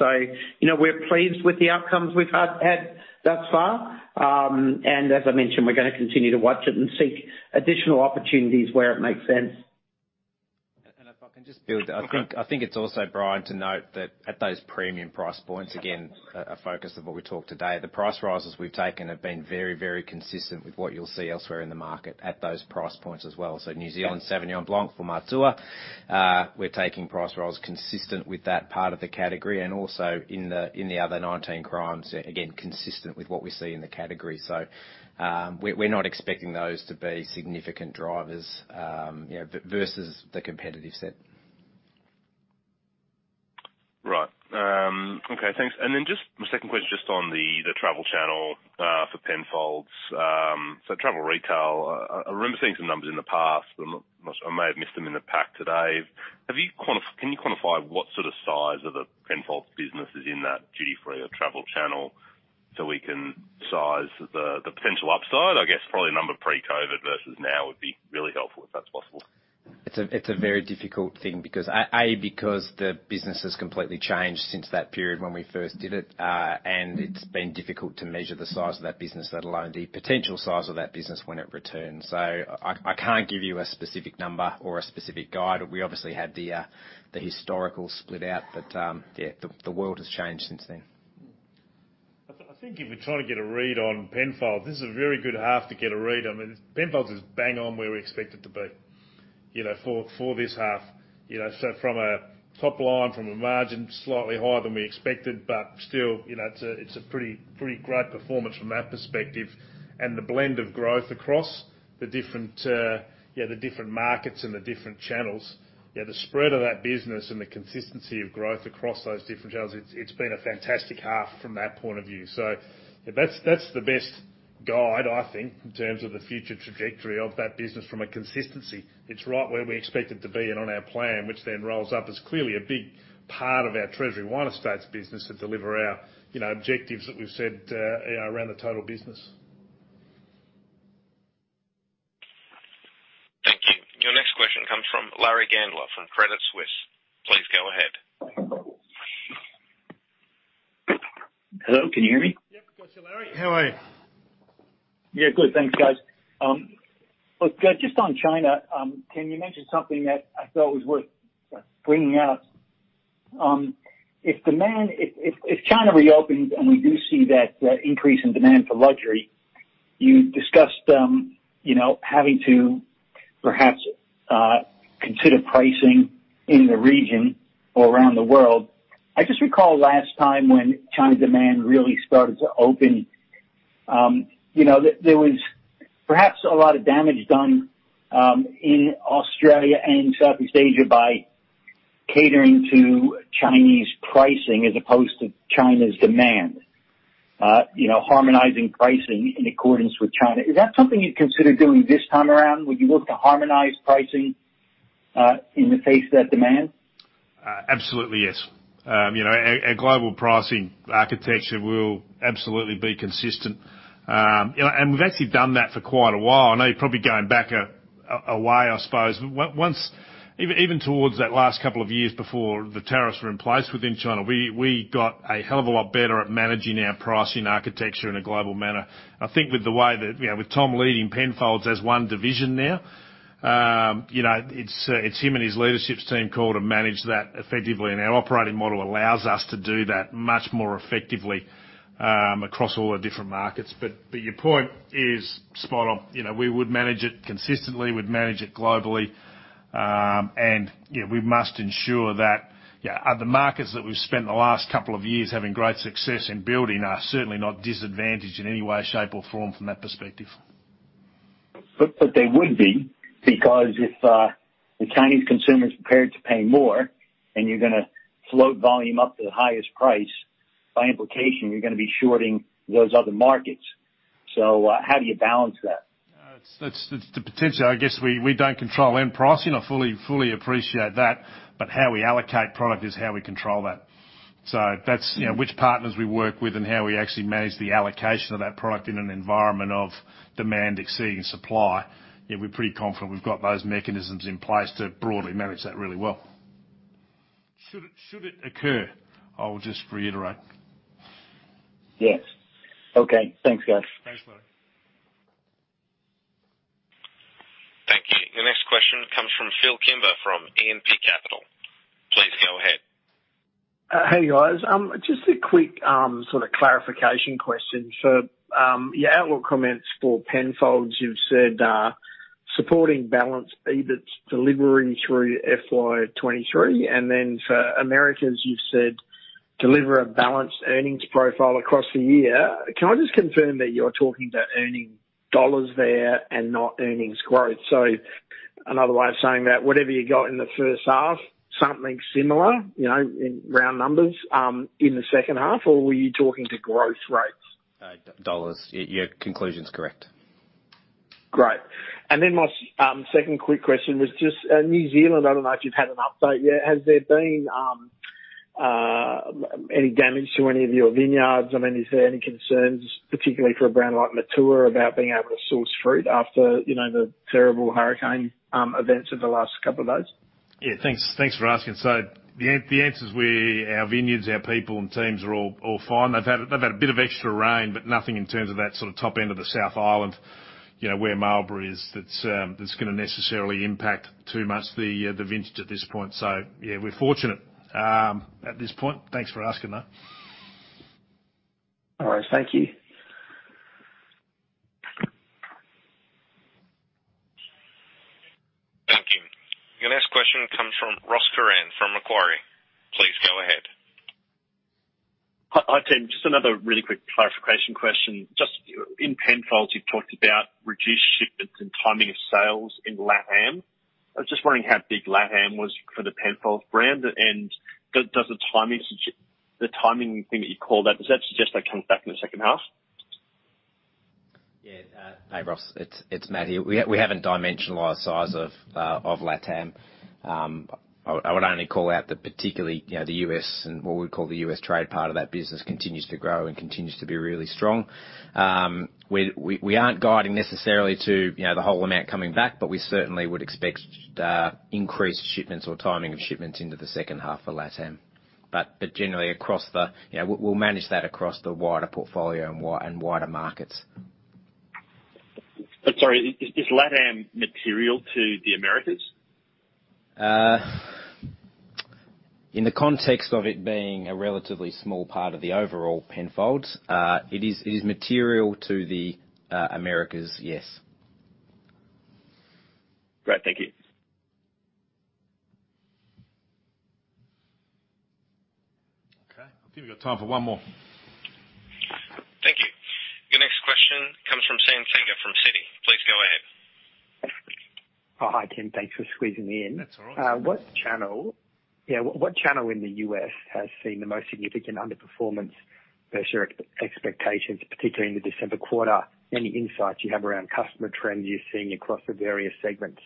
You know, we're pleased with the outcomes we've had thus far. And as I mentioned, we're gonna continue to watch it and seek additional opportunities where it makes sense. If I can just build. I think it's also, Bryan, to note that at those premium price points, again, a focus of what we talked today, the price rises we've taken have been very, very consistent with what you'll see elsewhere in the market at those price points as well. New Zealand Sauvignon Blanc for Matua, we're taking price rises consistent with that part of the category and also in the other 19 Crimes, again, consistent with what we see in the category. we're not expecting those to be significant drivers, you know, versus the competitive set. Okay, thanks. Just my second question, just on the travel channel for Penfolds, so travel retail, I remember seeing some numbers in the past. I may have missed them in the pack today. Can you quantify what sort of size of the Penfolds business is in that duty-free or travel channel so we can size the potential upside? I guess probably a number pre-COVID versus now would be really helpful if that's possible. It's a very difficult thing because. A, because the business has completely changed since that period when we first did it, and it's been difficult to measure the size of that business, let alone the potential size of that business when it returns. I can't give you a specific number or a specific guide. We obviously had the historical split out. Yeah, the world has changed since then. I think if you're trying to get a read on Penfolds, this is a very good half to get a read on it. Penfolds is bang on where we expect it to be, you know, for this half, you know. From a top line, from a margin, slightly higher than we expected, but still, you know, it's a pretty great performance from that perspective. The blend of growth across the different, yeah, the different markets and the different channels. Yeah, the spread of that business and the consistency of growth across those different channels, it's been a fantastic half from that point of view. That's the best guide, I think, in terms of the future trajectory of that business from a consistency. It's right where we expect it to be and on our plan, which then rolls up as clearly a big part of our Treasury Wine Estates business to deliver our, you know, objectives that we've set, you know, around the total business. Thank you. Your next question comes from Larry Gandler from Credit Suisse. Please go ahead. Hello, can you hear me? Yep. Go ahead, Larry. How are you? Yeah, good. Thanks, guys. Look, just on China, can you mention something that I thought was worth bringing out? If China reopens and we do see that increase in demand for luxury, you discussed, you know, having to perhaps consider pricing in the region or around the world. I just recall last time when China demand really started to open, you know, there was perhaps a lot of damage done in Australia and Southeast Asia by catering to Chinese pricing as opposed to China's demand. You know, harmonizing pricing in accordance with China. Is that something you'd consider doing this time around? Would you look to harmonize pricing in the face of that demand? Absolutely, yes. You know, our global pricing architecture will absolutely be consistent. We've actually done that for quite a while. I know you're probably going back a while, I suppose. Even towards that last couple of years before the tariffs were in place within China, we got a hell of a lot better at managing our pricing architecture in a global manner. I think with the way that, you know, with Tom leading Penfolds as one division now, you know, it's him and his leadership team call to manage that effectively. Our operating model allows us to do that much more effectively across all the different markets. Your point is spot on. You know, we would manage it consistently, we'd manage it globally. you know, we must ensure that, yeah, the markets that we've spent the last couple of years having great success in building are certainly not disadvantaged in any way, shape, or form from that perspective. They would be, because if the Chinese consumer is prepared to pay more and you're gonna float volume up to the highest price, by implication, you're gonna be shorting those other markets. How do you balance that? That's the potential. I guess we don't control end pricing. I fully appreciate that. How we allocate product is how we control that. That's, you know, which partners we work with and how we actually manage the allocation of that product in an environment of demand exceeding supply. We're pretty confident we've got those mechanisms in place to broadly manage that really well. Should it occur, I'll just reiterate. Yes. Okay. Thanks, guys. Thanks, Larry. Thank you. The next question comes from Phil Kimber from E&P Capital. Please go ahead. Hey, guys. Just a quick sort of clarification question. Your outlook comments for Penfolds, you've said supporting balanced EBITS delivery through FY23. For Americas, you've said, deliver a balanced earnings profile across the year. Can I just confirm that you're talking about earning dollars there and not earnings growth? Another way of saying that, whatever you got in the first half, something similar, you know, in round numbers, in the second half? Or were you talking to growth rates? dollars. Your conclusion is correct. Great. My second quick question was just New Zealand, I don't know if you've had an update yet. Has there been any damage to any of your vineyards? I mean, is there any concerns, particularly for a brand like Matua, about being able to source fruit after, you know, the terrible hurricane events of the last couple of days? Yeah. Thanks for asking. The answer is Our vineyards, our people and teams are all fine. They've had a bit of extra rain, but nothing in terms of that sort of top end of the South Island, you know, where Marlborough is, that's gonna necessarily impact too much the vintage at this point. Yeah, we're fortunate at this point. Thanks for asking, though. All right. Thank you. Thank you. Your next question comes from Ross Curran from Macquarie. Please go ahead. Hi, Tim. Just another really quick clarification question. Just in Penfolds, you've talked about reduced shipments and timing of sales in LATAM. I was just wondering how big LATAM was for the Penfolds brand. Does the timing thing that you called out, does that suggest that comes back in the second half? Yeah. Hey, Ross. It's Matt here. We haven't dimensionalized size of LATAM. I would only call out that particularly, you know, the U.S. and what we call the U.S. trade part of that business continues to grow and continues to be really strong. We aren't guiding necessarily to, you know, the whole amount coming back, but we certainly would expect increased shipments or timing of shipments into the second half for LATAM. Generally across the, you know, we'll manage that across the wider portfolio and wider markets. Sorry, is LATAM material to the Americas? In the context of it being a relatively small part of the overall Penfolds, it is material to the Americas, yes. Great. Thank you. I think we've got time for one more. Thank you. Your next question comes from Sam Teeger from Citi. Please go ahead. Oh, hi, Tim. Thanks for squeezing me in. That's all right. What channel in the U.S. has seen the most significant underperformance versus your expectations, particularly in the December quarter? Any insights you have around customer trends you're seeing across the various segments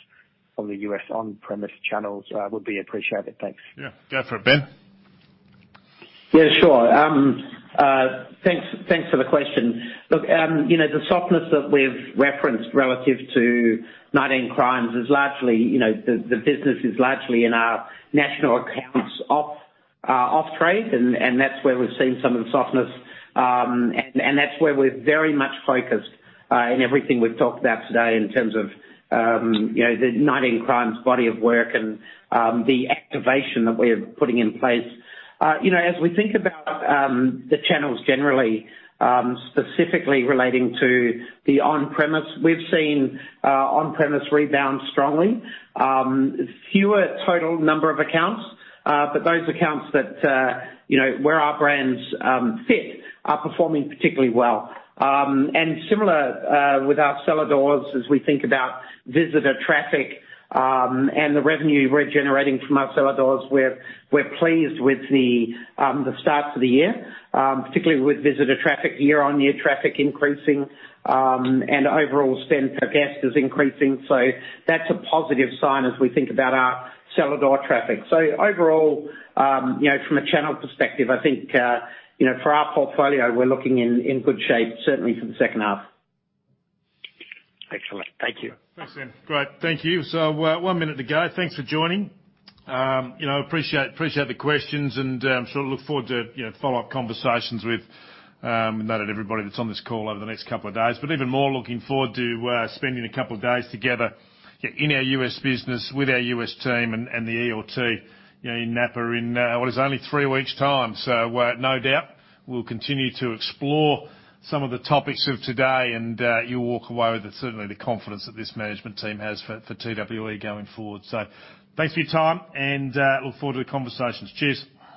on the U.S. on-premise channels would be appreciated. Thanks. Yeah, go for it, Ben. Yeah, sure. Thanks for the question. You know, the softness that we've referenced relative to 19 Crimes is largely, you know, the business is largely in our national accounts off trade, and that's where we've seen some of the softness. That's where we're very much focused in everything we've talked about today in terms of, you know, the 19 Crimes body of work and the activation that we're putting in place. You know, as we think about the channels generally, specifically relating to the on-premise, we've seen on-premise rebound strongly. Fewer total number of accounts, those accounts that, you know, where our brands fit are performing particularly well. Similar with our cellar doors as we think about visitor traffic, and the revenue we're generating from our cellar doors, we're pleased with the start to the year, particularly with visitor traffic, year-on-year traffic increasing, and overall spend per guest is increasing. That's a positive sign as we think about our cellar door traffic. Overall, you know, from a channel perspective, I think, you know, for our portfolio, we're looking in good shape, certainly for the second half. Excellent. Thank you. Thanks, Sam. Great. Thank you. One minute to go. Thanks for joining. you know, appreciate the questions and sort of look forward to, you know, follow-up conversations with not that everybody that's on this call over the next couple of days, but even more looking forward to spending a couple of days together in our U.S. business, with our U.S. team and the ELT, you know, in Napa in what is only three weeks' time. No doubt we'll continue to explore some of the topics of today, and you'll walk away with the certainly the confidence that this management team has for TWE going forward. Thanks for your time and look forward to the conversations. Cheers.